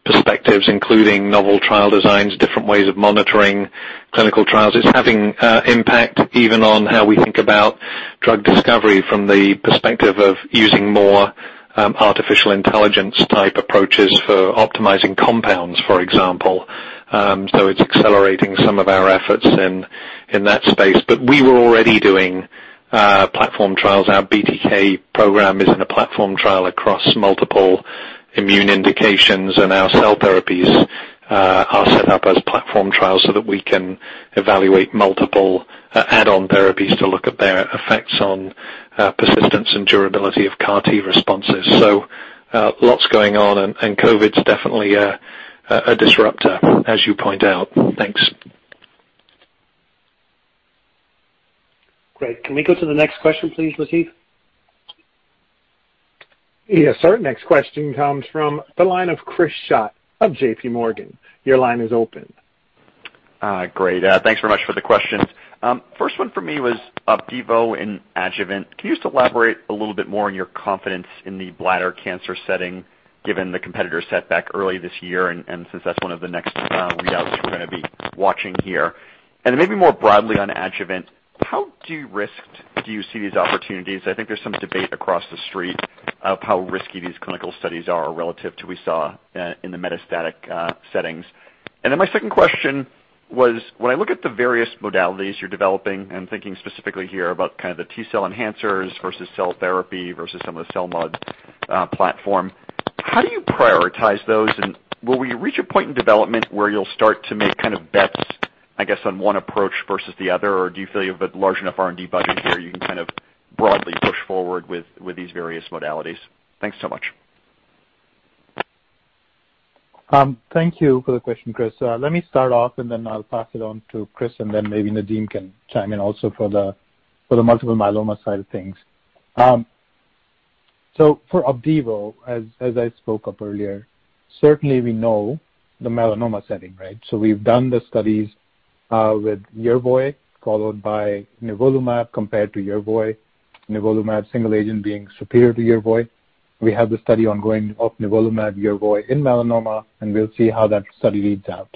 D: perspectives, including novel trial designs, different ways of monitoring clinical trials. It's having impact even on how we think about drug discovery from the perspective of using more artificial intelligence type approaches for optimizing compounds, for example. It's accelerating some of our efforts in that space. We were already doing platform trials. Our BTK program is in a platform trial across multiple immune indications, and our cell therapies are set up as platform trials so that we can evaluate multiple add-on therapies to look at their effects on persistence and durability of CAR-T responses. Lots going on, and COVID's definitely a disruptor, as you point out. Thanks.
B: Great. Can we go to the next question please, Latif?
A: Yes, sir. Next question comes from the line of Chris Schott of JPMorgan. Your line is open.
I: Great. Thanks very much for the questions. First one for me was OPDIVO and adjuvant. Can you just elaborate a little bit more on your confidence in the bladder cancer setting, given the competitor setback early this year, and since that's one of the next readouts we're going to be watching here? Maybe more broadly on adjuvant, how de-risked do you see these opportunities? I think there's some debate across the street of how risky these clinical studies are relative to we saw in the metastatic settings. My second question was, when I look at the various modalities you're developing, I'm thinking specifically here about kind of the T cell engagers versus cell therapy versus some of the CELMoD platform. How do you prioritize those, and will we reach a point in development where you'll start to make kind of bets, I guess, on one approach versus the other? Do you feel you have a large enough R&D budget here you can kind of broadly push forward with these various modalities? Thanks so much.
E: Thank you for the question, Chris. Let me start off, and then I'll pass it on to Chris, and then maybe Nadim can chime in also for the multiple myeloma side of things. As I spoke of earlier, certainly we know the melanoma setting, right? We've done the studies with YERVOY, followed by nivolumab compared to YERVOY, nivolumab single agent being superior to YERVOY. We have the study ongoing of nivolumab YERVOY in melanoma, and we'll see how that study reads out.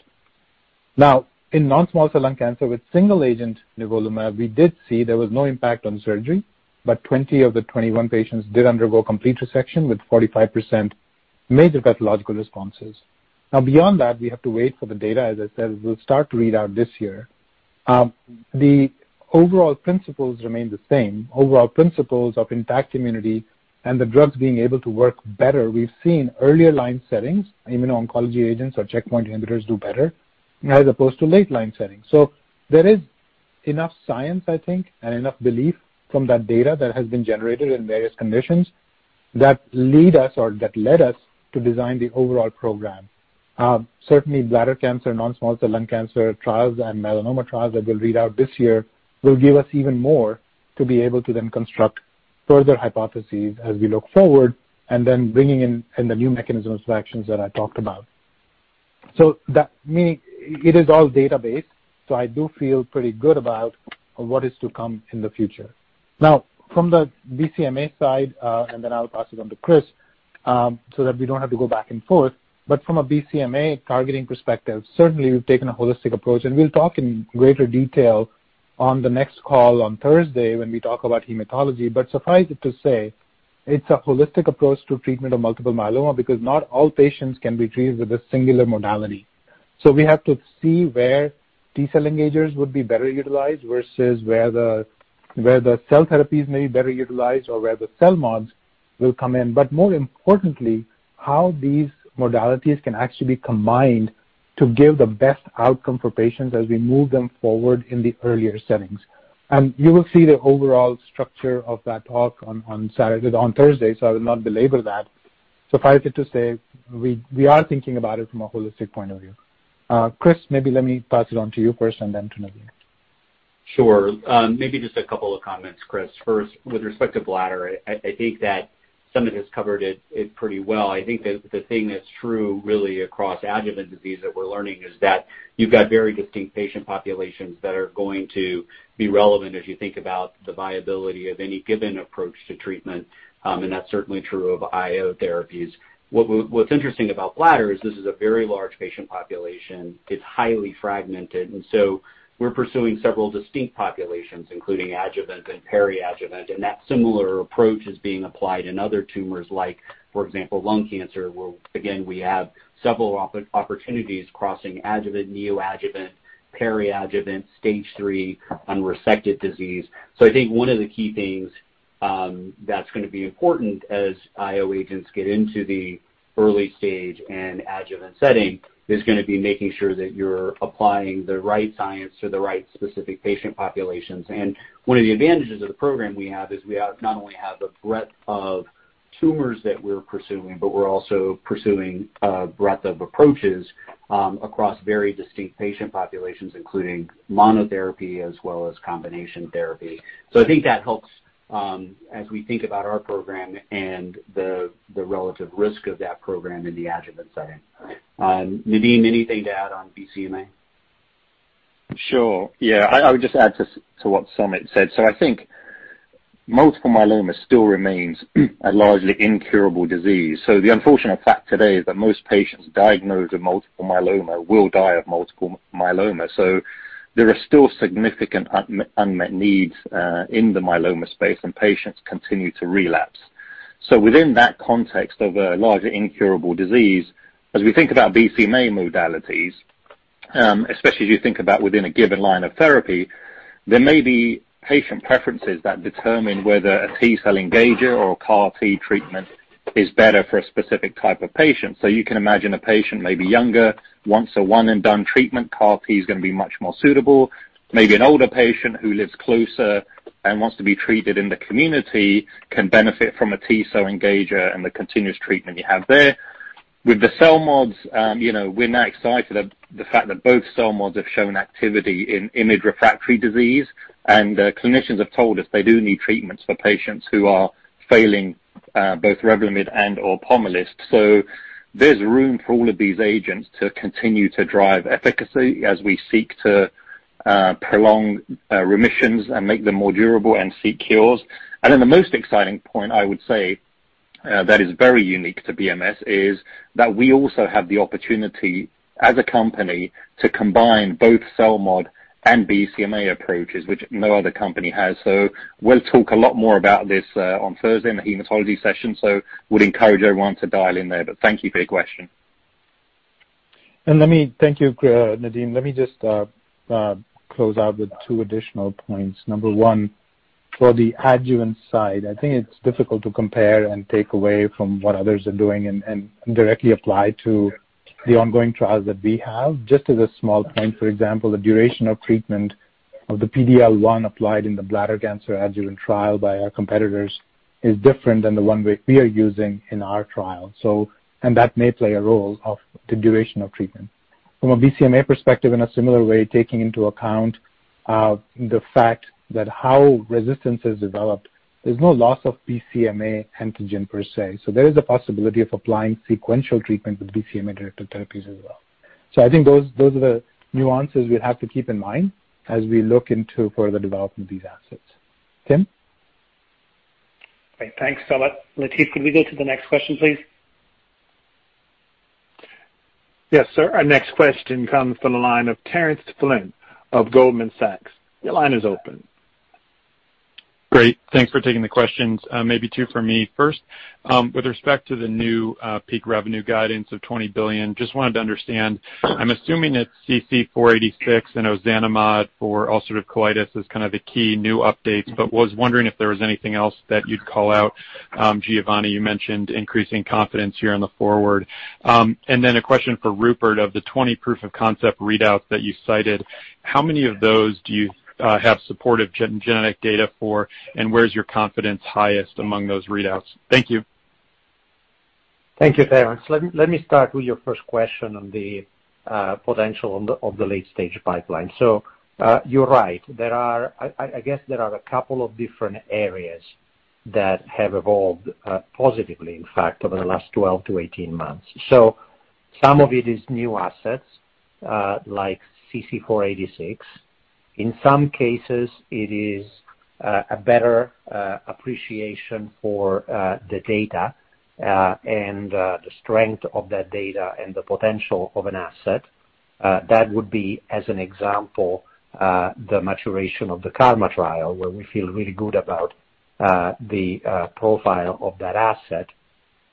E: In non-small cell lung cancer with single agent nivolumab, we did see there was no impact on surgery, but 20 of the 21 patients did undergo complete resection with 45% major pathological responses. Beyond that, we have to wait for the data. As I said, we'll start to read out this year. The overall principles remain the same. Overall principles of intact immunity and the drugs being able to work better. We've seen earlier line settings, immuno-oncology agents or checkpoint inhibitors do better as opposed to late line settings. There is enough science, I think, and enough belief from that data that has been generated in various conditions that lead us, or that led us to design the overall program. Certainly bladder cancer, non-small cell lung cancer trials, and melanoma trials that we'll read out this year will give us even more to be able to then construct further hypotheses as we look forward and then bringing in the new mechanisms of actions that I talked about. It is all data-based, so I do feel pretty good about what is to come in the future. From the BCMA side, I'll pass it on to Chris, we don't have to go back and forth. From a BCMA targeting perspective, certainly we've taken a holistic approach, we'll talk in greater detail on the next call on Thursday when we talk about hematology. Suffice it to say, it's a holistic approach to treatment of multiple myeloma because not all patients can be treated with a singular modality. We have to see where T cell engagers would be better utilized versus where the cell therapies may be better utilized or where the CELMoDs will come in. More importantly, how these modalities can actually be combined to give the best outcome for patients as we move them forward in the earlier settings. You will see the overall structure of that talk on Thursday, I will not belabor that. Suffice it to say, we are thinking about it from a holistic point of view. Chris, maybe let me pass it on to you first and then to Nadim.
F: Sure. Maybe just a couple of comments, Chris. First, with respect to bladder, I think that Samit has covered it pretty well. I think the thing that's true really across adjuvant disease that we're learning is that you've got very distinct patient populations that are going to be relevant as you think about the viability of any given approach to treatment. That's certainly true of IO therapies. What's interesting about bladder is this is a very large patient population. It's highly fragmented, we're pursuing several distinct populations, including adjuvant and peri-adjuvant. That similar approach is being applied in other tumors like, for example, lung cancer, where again, we have several opportunities crossing adjuvant, neo-adjuvant, peri-adjuvant, stage 3 unresected disease. I think one of the key things that's going to be important as IO agents get into the early stage and adjuvant setting is going to be making sure that you're applying the right science to the right specific patient populations. One of the advantages of the program we have is we not only have a breadth of tumors that we're pursuing, but we're also pursuing a breadth of approaches across very distinct patient populations, including monotherapy as well as combination therapy. I think that helps as we think about our program and the relative risk of that program in the adjuvant setting. Nadim, anything to add on BCMA?
J: Sure. Yeah, I would just add to what Samit said. I think multiple myeloma still remains a largely incurable disease. The unfortunate fact today is that most patients diagnosed with multiple myeloma will die of multiple myeloma. There are still significant unmet needs in the myeloma space, and patients continue to relapse. Within that context of a largely incurable disease, as we think about BCMA modalities, especially as you think about within a given line of therapy, there may be patient preferences that determine whether a T cell engager or a CAR-T treatment is better for a specific type of patient. You can imagine a patient may be younger, wants a one-and-done treatment, CAR-T is going to be much more suitable. Maybe an older patient who lives closer and wants to be treated in the community can benefit from a T cell engager and the continuous treatment you have there. With the CELMoDs, we're now excited at the fact that both CELMoDs have shown activity in IMiD refractory disease, and clinicians have told us they do need treatments for patients who are failing both REVLIMID and/or POMALYST. There's room for all of these agents to continue to drive efficacy as we seek to prolong remissions and make them more durable and seek cures. The most exciting point, I would say, that is very unique to BMS is that we also have the opportunity, as a company, to combine both CELMoD and BCMA approaches, which no other company has. We'll talk a lot more about this on Thursday in the hematology session. Would encourage everyone to dial in there. Thank you for your question.
E: Thank you, Nadim. Let me just close out with two additional points. Number one, for the adjuvant side, I think it's difficult to compare and take away from what others are doing and directly apply to the ongoing trials that we have. Just as a small point, for example, the duration of treatment of the PD-L1 applied in the bladder cancer adjuvant trial by our competitors is different than the one we are using in our trial. That may play a role of the duration of treatment. From a BCMA perspective, in a similar way, taking into account the fact that how resistance is developed, there's no loss of BCMA antigen per se. There is a possibility of applying sequential treatment with BCMA-directed therapies as well. I think those are the nuances we'd have to keep in mind as we look into further development of these assets. Tim?
B: Great. Thanks, Samit. Latif, can we go to the next question, please?
A: Yes, sir. Our next question comes from the line of Terence Flynn of Goldman Sachs. Your line is open.
K: Great. Thanks for taking the questions. Maybe two from me. First, with respect to the new peak revenue guidance of $20 billion, just wanted to understand. I'm assuming it's CC-486 and ozanimod for ulcerative colitis as kind of the key new updates, but was wondering if there was anything else that you'd call out. Giovanni, you mentioned increasing confidence here on the forward. A question for Rupert of the 20 proof of concept readouts that you cited, how many of those do you have supportive genetic data for, and where's your confidence highest among those readouts? Thank you.
C: Thank you, Terence. Let me start with your first question on the potential of the late-stage pipeline. You're right. I guess there are a couple of different areas that have evolved positively, in fact, over the last 12-18 months. Some of it is new assets, like CC-486. In some cases, it is a better appreciation for the data and the strength of that data and the potential of an asset. That would be, as an example, the maturation of the KarMMa trial, where we feel really good about the profile of that asset.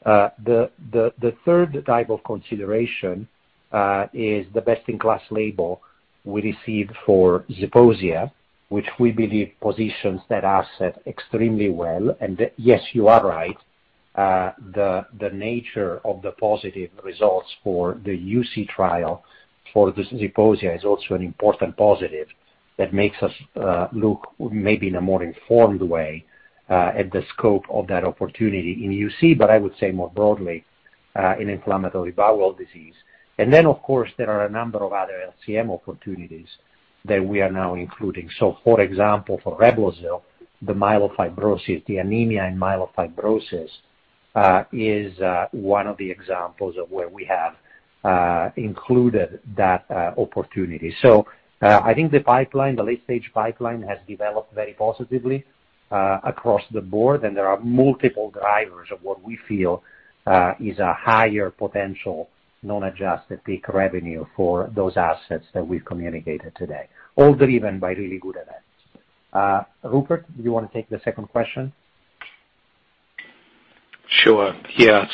C: The third type of consideration is the best-in-class label we received for ZEPOSIA, which we believe positions that asset extremely well. Yes, you are right. The nature of the positive results for the UC trial for the ZEPOSIA is also an important positive that makes us look maybe in a more informed way at the scope of that opportunity in UC, but I would say more broadly, in inflammatory bowel disease. Of course, there are a number of other LCM opportunities that we are now including. For example, for REBLOZYL, the myelofibrosis, the anemia in myelofibrosis is one of the examples of where we have included that opportunity. I think the pipeline, the late-stage pipeline, has developed very positively across the board, and there are multiple drivers of what we feel is a higher potential non-adjusted peak revenue for those assets that we've communicated today, all driven by really good events. Rupert, do you want to take the second question?
D: Sure. Yeah.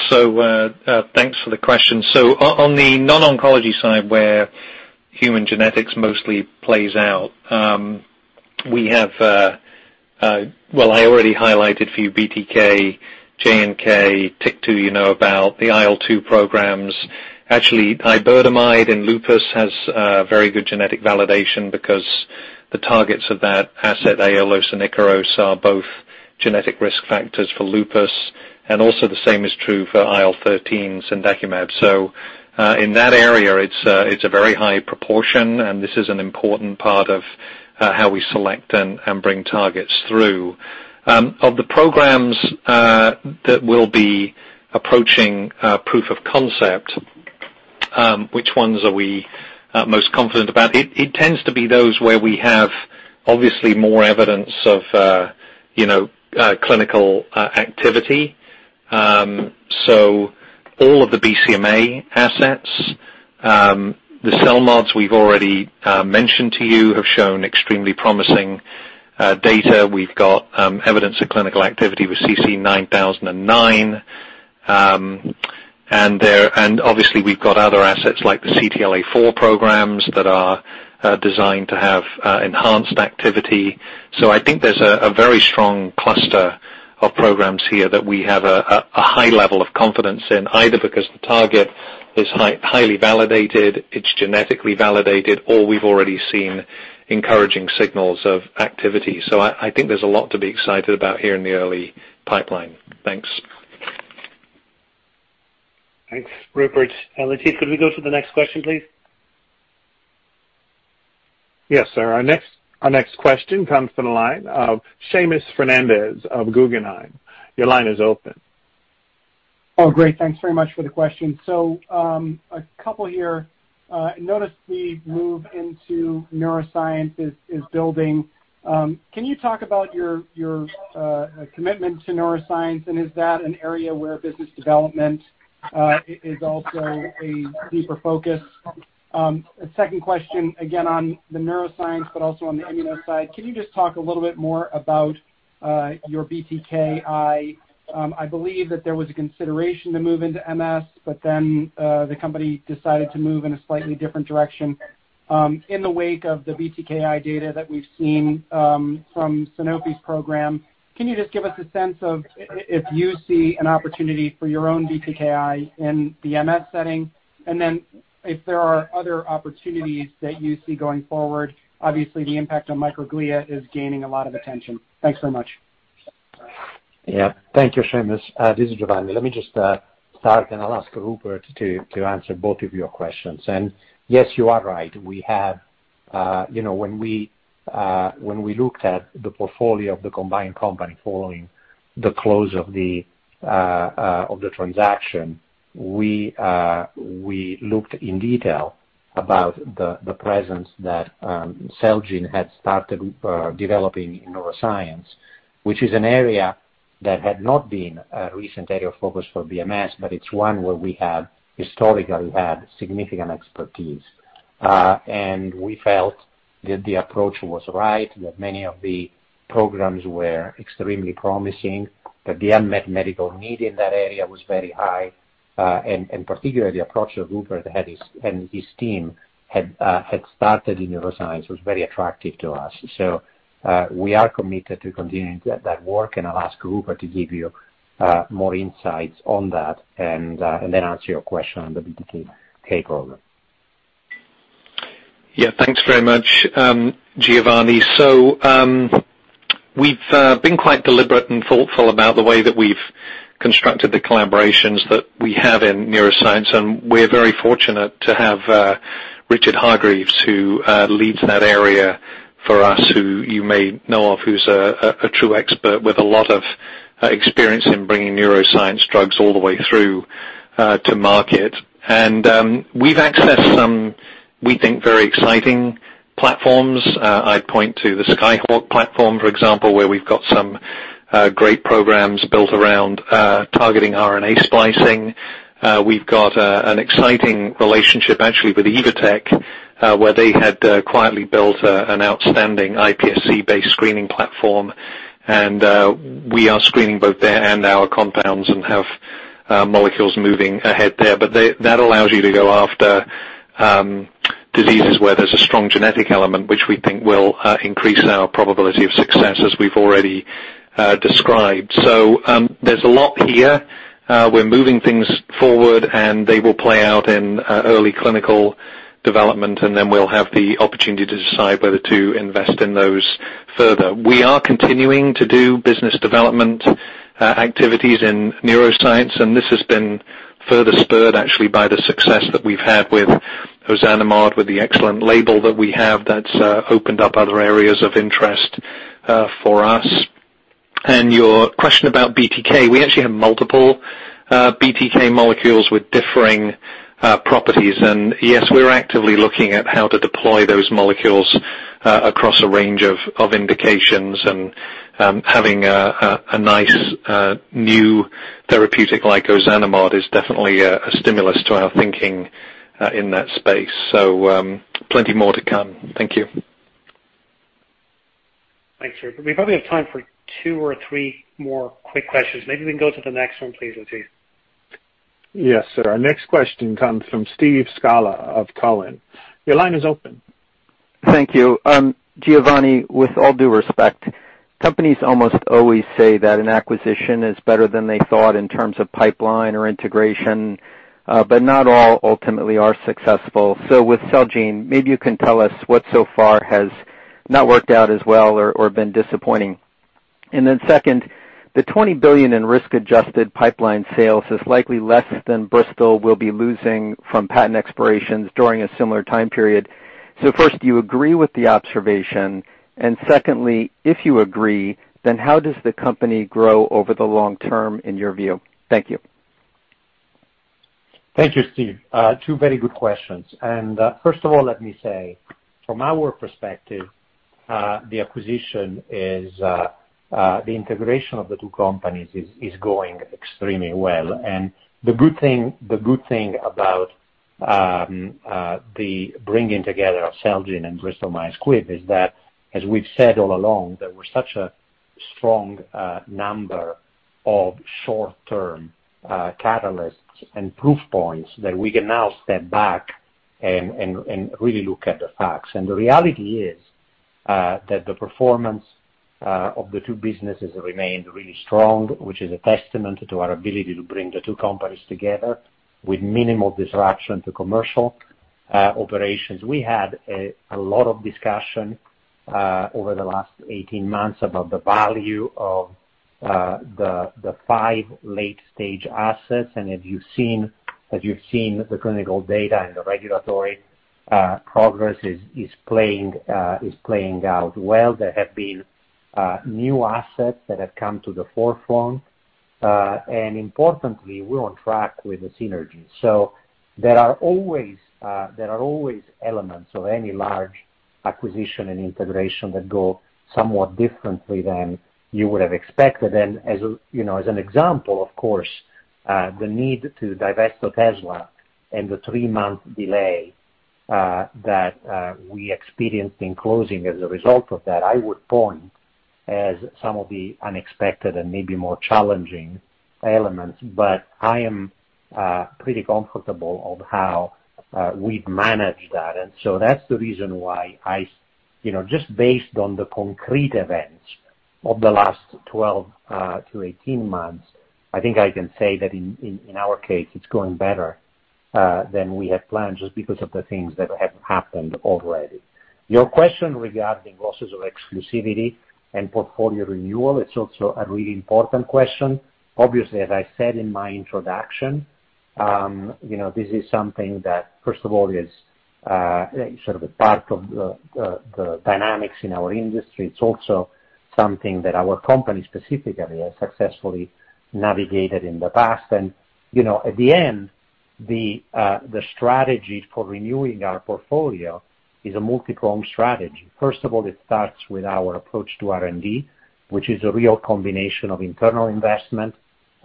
D: Thanks for the question. On the non-oncology side, where human genetics mostly plays out, we have, well, I already highlighted for you BTK, JNK, TYK2 you know about, the IL-2 programs. Actually, iberdomide in lupus has very good genetic validation because the targets of that asset, Aiolos and Ikaros, are both genetic risk factors for lupus, and also the same is true for IL-13 cendakimab. In that area, it's a very high proportion, and this is an important part of how we select and bring targets through. Of the programs that will be approaching proof of concept, which ones are we most confident about? It tends to be those where we have obviously more evidence of clinical activity. All of the BCMA assets, the CELMoD we've already mentioned to you have shown extremely promising data. We've got evidence of clinical activity with CC-90009. Obviously we've got other assets like the CTLA-4 programs that are designed to have enhanced activity. I think there's a very strong cluster of programs here that we have a high level of confidence in, either because the target is highly validated, it's genetically validated, or we've already seen encouraging signals of activity. I think there's a lot to be excited about here in the early pipeline. Thanks.
B: Thanks, Rupert. Latif, could we go to the next question, please?
A: Yes, sir. Our next question comes from the line of Seamus Fernandez of Guggenheim. Your line is open.
L: Oh, great. Thanks very much for the question. A couple here. Noticed the move into neuroscience is building. Can you talk about your commitment to neuroscience, and is that an area where business development is also a deeper focus? Second question, again, on the neuroscience, but also on the immuno side. Can you just talk a little bit more about your BTKI? I believe that there was a consideration to move into MS, but then the company decided to move in a slightly different direction. In the wake of the BTKI data that we've seen from Sanofi's program, can you just give us a sense of if you see an opportunity for your own BTKI in the MS setting? If there are other opportunities that you see going forward. Obviously, the impact on microglia is gaining a lot of attention. Thanks so much.
C: Thank you, Seamus. This is Giovanni. Let me just start, I'll ask Rupert to answer both of your questions. Yes, you are right. When we looked at the portfolio of the combined company following the close of the transaction, we looked in detail about the presence that Celgene had started developing in neuroscience, which is an area that had not been a recent area of focus for BMS, but it's one where we have historically had significant expertise. We felt that the approach was right, that many of the programs were extremely promising, that the unmet medical need in that area was very high. Particularly, the approach that Rupert and his team had started in neuroscience was very attractive to us. We are committed to continuing that work, and I'll ask Rupert to give you more insights on that and then answer your question on the BTK program.
D: Yeah. Thanks very much, Giovanni. We've been quite deliberate and thoughtful about the way that we've constructed the collaborations that we have in neuroscience, and we're very fortunate to have Richard Hargreaves, who leads that area for us, who you may know of, who's a true expert with a lot of experience in bringing neuroscience drugs all the way through to market. We've accessed some, we think, very exciting platforms. I'd point to the Skyhawk platform, for example, where we've got some great programs built around targeting RNA splicing. We've got an exciting relationship actually with Evotec where they had quietly built an outstanding iPSC-based screening platform. We are screening both their and our compounds and have molecules moving ahead there. That allows you to go after diseases where there's a strong genetic element, which we think will increase our probability of success, as we've already described. There's a lot here. We're moving things forward, and they will play out in early clinical development, and then we'll have the opportunity to decide whether to invest in those further. We are continuing to do business development activities in neuroscience, and this has been further spurred actually by the success that we've had with ozanimod, with the excellent label that we have that's opened up other areas of interest for us. Your question about BTK, we actually have multiple BTK molecules with differing properties. Yes, we're actively looking at how to deploy those molecules across a range of indications and having a nice new therapeutic like ozanimod is definitely a stimulus to our thinking in that space. Plenty more to come. Thank you.
B: Thanks, Rupert. We probably have time for two or three more quick questions. Maybe we can go to the next one, please, Latif.
A: Yes, sir. Our next question comes from Steve Scala of Cowen. Your line is open.
M: Thank you. Giovanni, with all due respect, companies almost always say that an acquisition is better than they thought in terms of pipeline or integration but not all ultimately are successful. With Celgene, maybe you can tell us what so far has not worked out as well or been disappointing. Second, the $20 billion in risk-adjusted pipeline sales is likely less than Bristol will be losing from patent expirations during a similar time period. First, do you agree with the observation? Secondly, if you agree, then how does the company grow over the long term in your view? Thank you.
C: Thank you, Steve. Two very good questions. First of all, let me say, from our perspective, the integration of the two companies is going extremely well. The good thing about the bringing together of Celgene and Bristol Myers Squibb is that, as we've said all along, there were such a strong number of short-term catalysts and proof points that we can now step back and really look at the facts. The reality is that the performance of the two businesses remained really strong, which is a testament to our ability to bring the two companies together with minimal disruption to commercial operations. We had a lot of discussion over the last 18 months about the value of the five late-stage assets. As you've seen, the clinical data and the regulatory progress is playing out well. There have been new assets that have come to the forefront. Importantly, we're on track with the synergy. There are always elements of any large acquisition and integration that go somewhat differently than you would have expected. As an example, of course, the need to divest of OTEZLA and the three-month delay that we experienced in closing as a result of that, I would point as some of the unexpected and maybe more challenging elements. I am pretty comfortable of how we've managed that. That's the reason why just based on the concrete events of the last 12-18 months, I think I can say that in our case, it's going better than we had planned just because of the things that have happened already. Your question regarding losses of exclusivity and portfolio renewal, it's also a really important question. Obviously, as I said in my introduction, this is something that, first of all, is sort of a part of the dynamics in our industry. It's also something that our company specifically has successfully navigated in the past. At the end, the strategy for renewing our portfolio is a multi-pronged strategy. First of all, it starts with our approach to R&D, which is a real combination of internal investment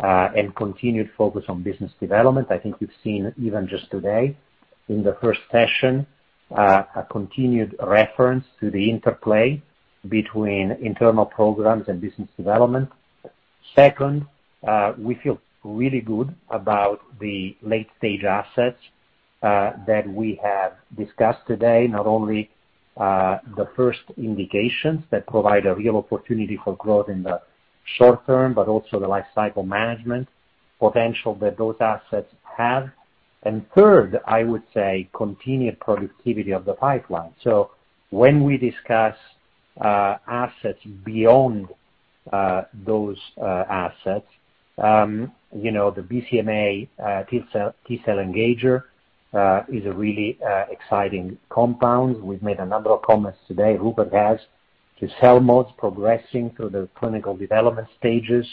C: and continued focus on business development. I think you've seen even just today in the first session, a continued reference to the interplay between internal programs and business development. Second, we feel really good about the late-stage assets that we have discussed today, not only the first indications that provide a real opportunity for growth in the short term, but also the life cycle management potential that those assets have. Third, I would say continued productivity of the pipeline. When we discuss assets beyond those assets, the BCMA T cell engager is a really exciting compound. We've made a number of comments today, Rupert has. CELMoDs progressing through the clinical development stages.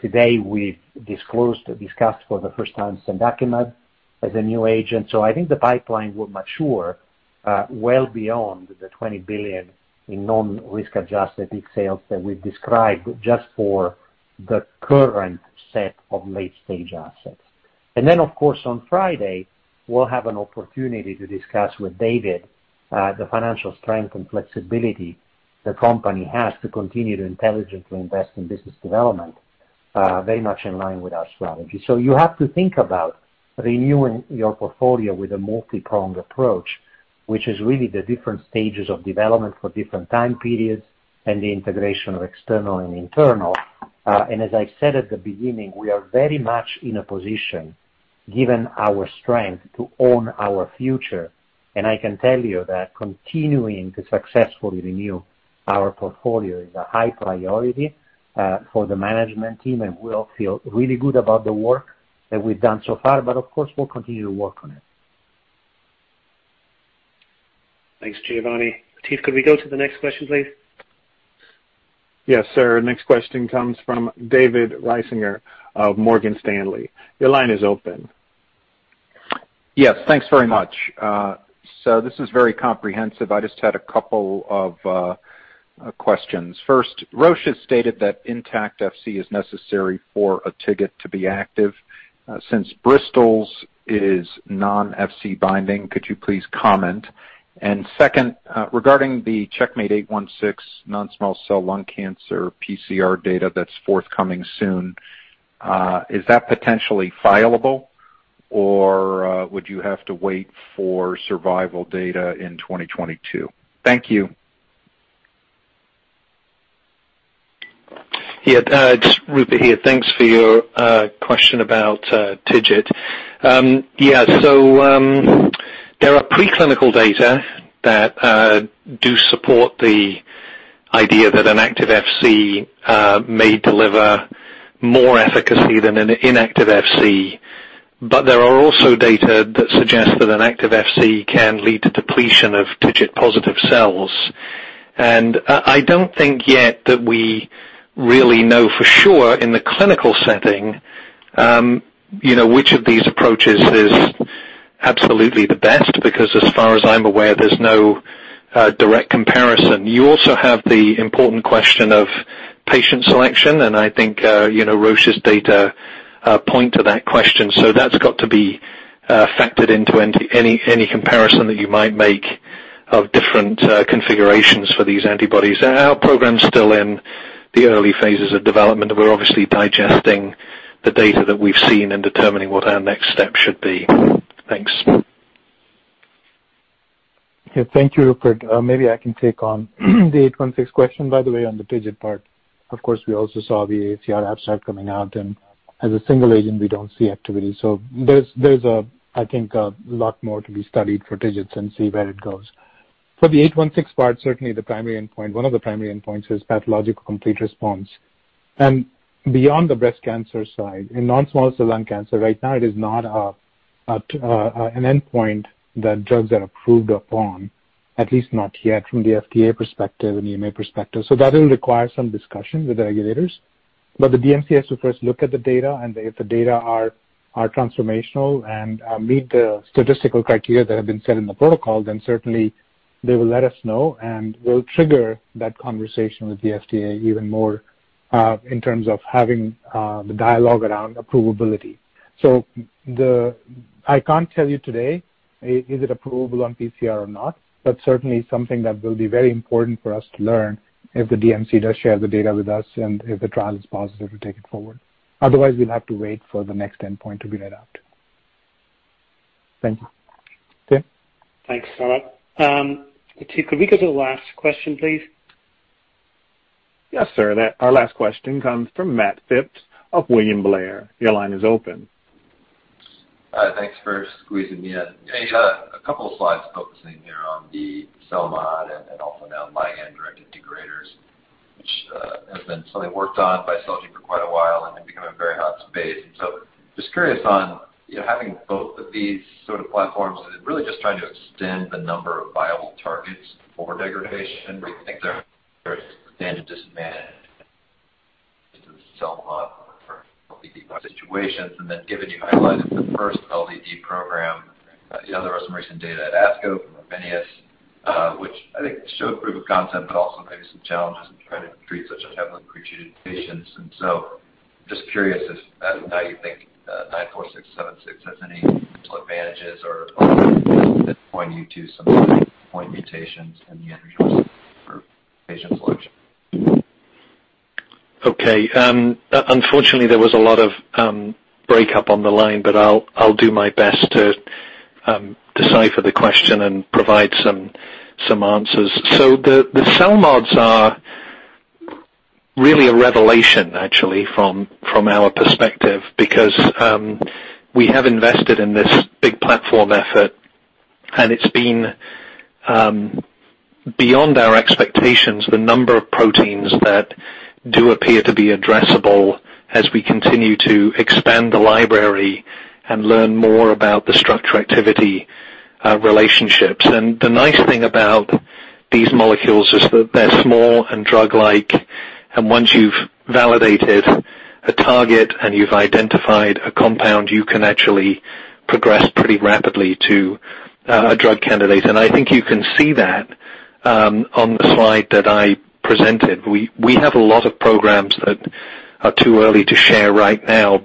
C: Today we've discussed for the first time cendakimab as a new agent. I think the pipeline will mature well beyond the $20 billion in non-risk-adjusted peak sales that we've described just for the current set of late-stage assets. Of course, on Friday, we'll have an opportunity to discuss with David the financial strength and flexibility the company has to continue to intelligently invest in business development very much in line with our strategy. You have to think about renewing your portfolio with a multi-pronged approach, which is really the different stages of development for different time periods and the integration of external and internal. As I said at the beginning, we are very much in a position, given our strength, to own our future. I can tell you that continuing to successfully renew our portfolio is a high priority for the management team, and we all feel really good about the work that we've done so far. Of course, we'll continue to work on it.
B: Thanks, Giovanni. Latif, could we go to the next question, please?
A: Yes, sir. Next question comes from David Risinger of Morgan Stanley. Your line is open.
N: Yes, thanks very much. This is very comprehensive. I just had a couple of questions. First, Roche has stated that intact ZEPOSIA is necessary for a TIGIT to be active. Since Bristol's is non-ZEPOSIA binding, could you please comment? Second, regarding the CheckMate -816 non-small cell lung cancer pCR data that's forthcoming soon, is that potentially fileable or would you have to wait for survival data in 2022? Thank you.
D: Just Rupert here. Thanks for your question about TIGIT. There are preclinical data that do support the idea that an active ZEPOSIA may deliver more efficacy than an inactive ZEPOSIA. There are also data that suggest that an active ZEPOSIA can lead to depletion of TIGIT-positive cells. I don't think yet that we really know for sure in the clinical setting which of these approaches is absolutely the best, because as far as I'm aware, there's no direct comparison. You also have the important question of patient selection, and I think Roche's data point to that question. That's got to be factored into any comparison that you might make of different configurations for these antibodies. Our program's still in the early phases of development, and we're obviously digesting the data that we've seen and determining what our next step should be. Thanks.
E: Yeah. Thank you, Rupert. Maybe I can take on the 816 question, by the way, on the TIGIT part. Of course, we also saw the AACR abstract coming out, as a single agent, we don't see activity. There's I think a lot more to be studied for TIGIT and see where it goes. For the 816 part, certainly one of the primary endpoints is pathological complete response. Beyond the breast cancer side, in non-small cell lung cancer, right now it is not an endpoint that drugs are approved upon, at least not yet from the FDA perspective and EMA perspective. That will require some discussion with the regulators. The DMC has to first look at the data, and if the data are transformational and meet the statistical criteria that have been set in the protocol, then certainly they will let us know, and we'll trigger that conversation with the FDA even more, in terms of having the dialogue around approvability. I can't tell you today is it approvable on pCR or not, but certainly something that will be very important for us to learn if the DMC does share the data with us and if the trial is positive to take it forward. Otherwise, we'll have to wait for the next endpoint to be read out. Thank you. Okay.
B: Thanks, Samit. Could we go to the last question, please?
A: Yes, sir, our last question comes from Matt Phipps of William Blair. Your line is open.
O: Hi. Thanks for squeezing me in. You had a couple of slides focusing there on the CELMoD and also now ligand-directed degraders, which has been something worked on by Celgene for quite a while and had become a very hot space. Just curious on having both of these sort of platforms, is it really just trying to extend the number of viable targets for degradation, or do you think there's advantage/disadvantage to the CELMoD for LDD situations? Given you highlighted the first LDD program, the other recent data at ASCO from Arvinas, which I think showed proof of concept but also maybe some challenges in trying to treat such heavily pretreated patients. Just curious if how you think 94676 has any potential advantages or challenges that point you to some on-target mutations in the entry for patient selection.
D: Unfortunately, there was a lot of break up on the line, but I'll do my best to decipher the question and provide some answers. The CELMoDs are really a revelation actually from our perspective, because we have invested in this big platform effort, and it's been beyond our expectations the number of proteins that do appear to be addressable as we continue to expand the library and learn more about the structure activity relationships. The nice thing about these molecules is that they're small and drug-like, and once you've validated a target and you've identified a compound, you can actually progress pretty rapidly to a drug candidate. I think you can see that on the slide that I presented. We have a lot of programs that are too early to share right now.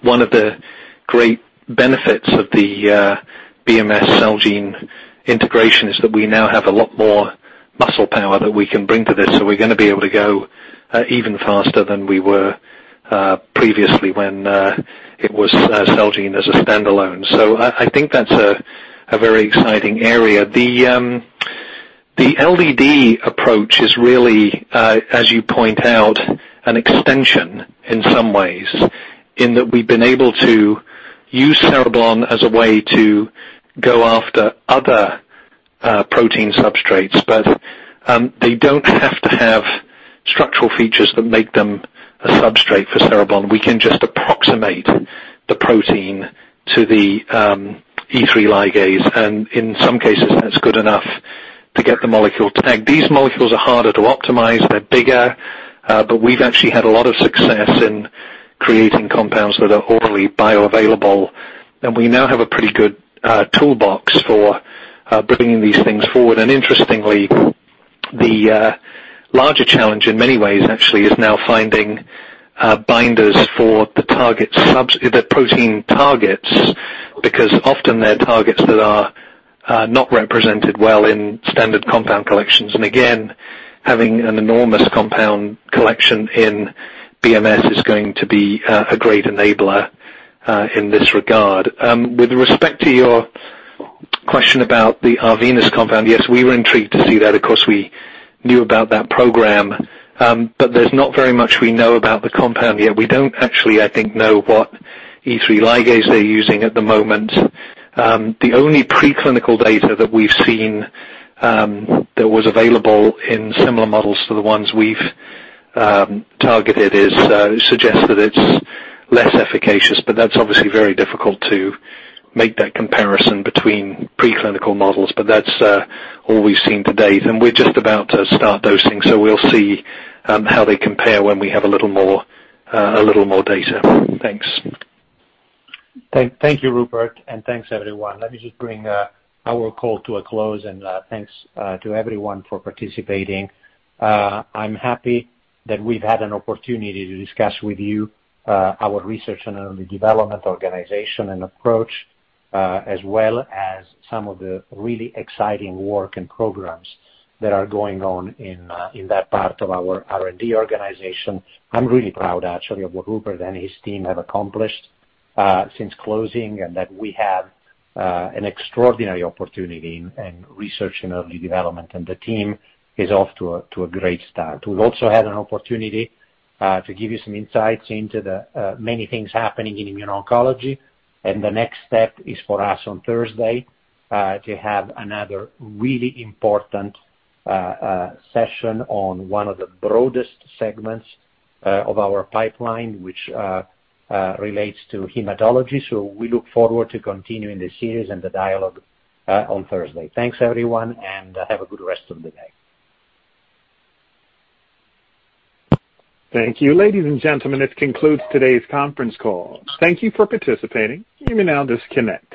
D: One of the great benefits of the BMS Celgene integration is that we now have a lot more muscle power that we can bring to this. We're going to be able to go even faster than we were previously when it was Celgene as a standalone. I think that's a very exciting area. The LDD approach is really, as you point out, an extension in some ways, in that we've been able to use cereblon as a way to go after other protein substrates. They don't have to have structural features that make them a substrate for cereblon. We can just approximate the protein to the E3 ligase, and in some cases, that's good enough to get the molecule tagged. These molecules are harder to optimize. They're bigger. We've actually had a lot of success in creating compounds that are orally bioavailable, and we now have a pretty good toolbox for bringing these things forward. Interestingly, the larger challenge in many ways actually is now finding binders for the protein targets, because often they're targets that are not represented well in standard compound collections. Again, having an enormous compound collection in BMS is going to be a great enabler in this regard. With respect to your question about the Arvinas compound. Yes, we were intrigued to see that. Of course, we knew about that program, but there's not very much we know about the compound yet. We don't actually, I think, know what E3 ligase they're using at the moment. The only preclinical data that we've seen that was available in similar models to the ones we've targeted suggest that it's less efficacious, but that's obviously very difficult to make that comparison between preclinical models. That's all we've seen to date, and we're just about to start dosing, so we'll see how they compare when we have a little more data. Thanks.
C: Thank you, Rupert, and thanks, everyone. Let me just bring our call to a close. Thanks to everyone for participating. I'm happy that we've had an opportunity to discuss with you our research and early development organization and approach, as well as some of the really exciting work and programs that are going on in that part of our R&D organization. I'm really proud, actually, of what Rupert and his team have accomplished since closing, that we have an extraordinary opportunity in research and early development, the team is off to a great start. We've also had an opportunity to give you some insights into the many things happening in immuno-oncology. The next step is for us on Thursday to have another really important session on one of the broadest segments of our pipeline, which relates to hematology. We look forward to continuing the series and the dialogue on Thursday. Thanks, everyone, and have a good rest of the day.
A: Thank you. Ladies and gentlemen, this concludes today's conference call. Thank you for participating. You may now disconnect.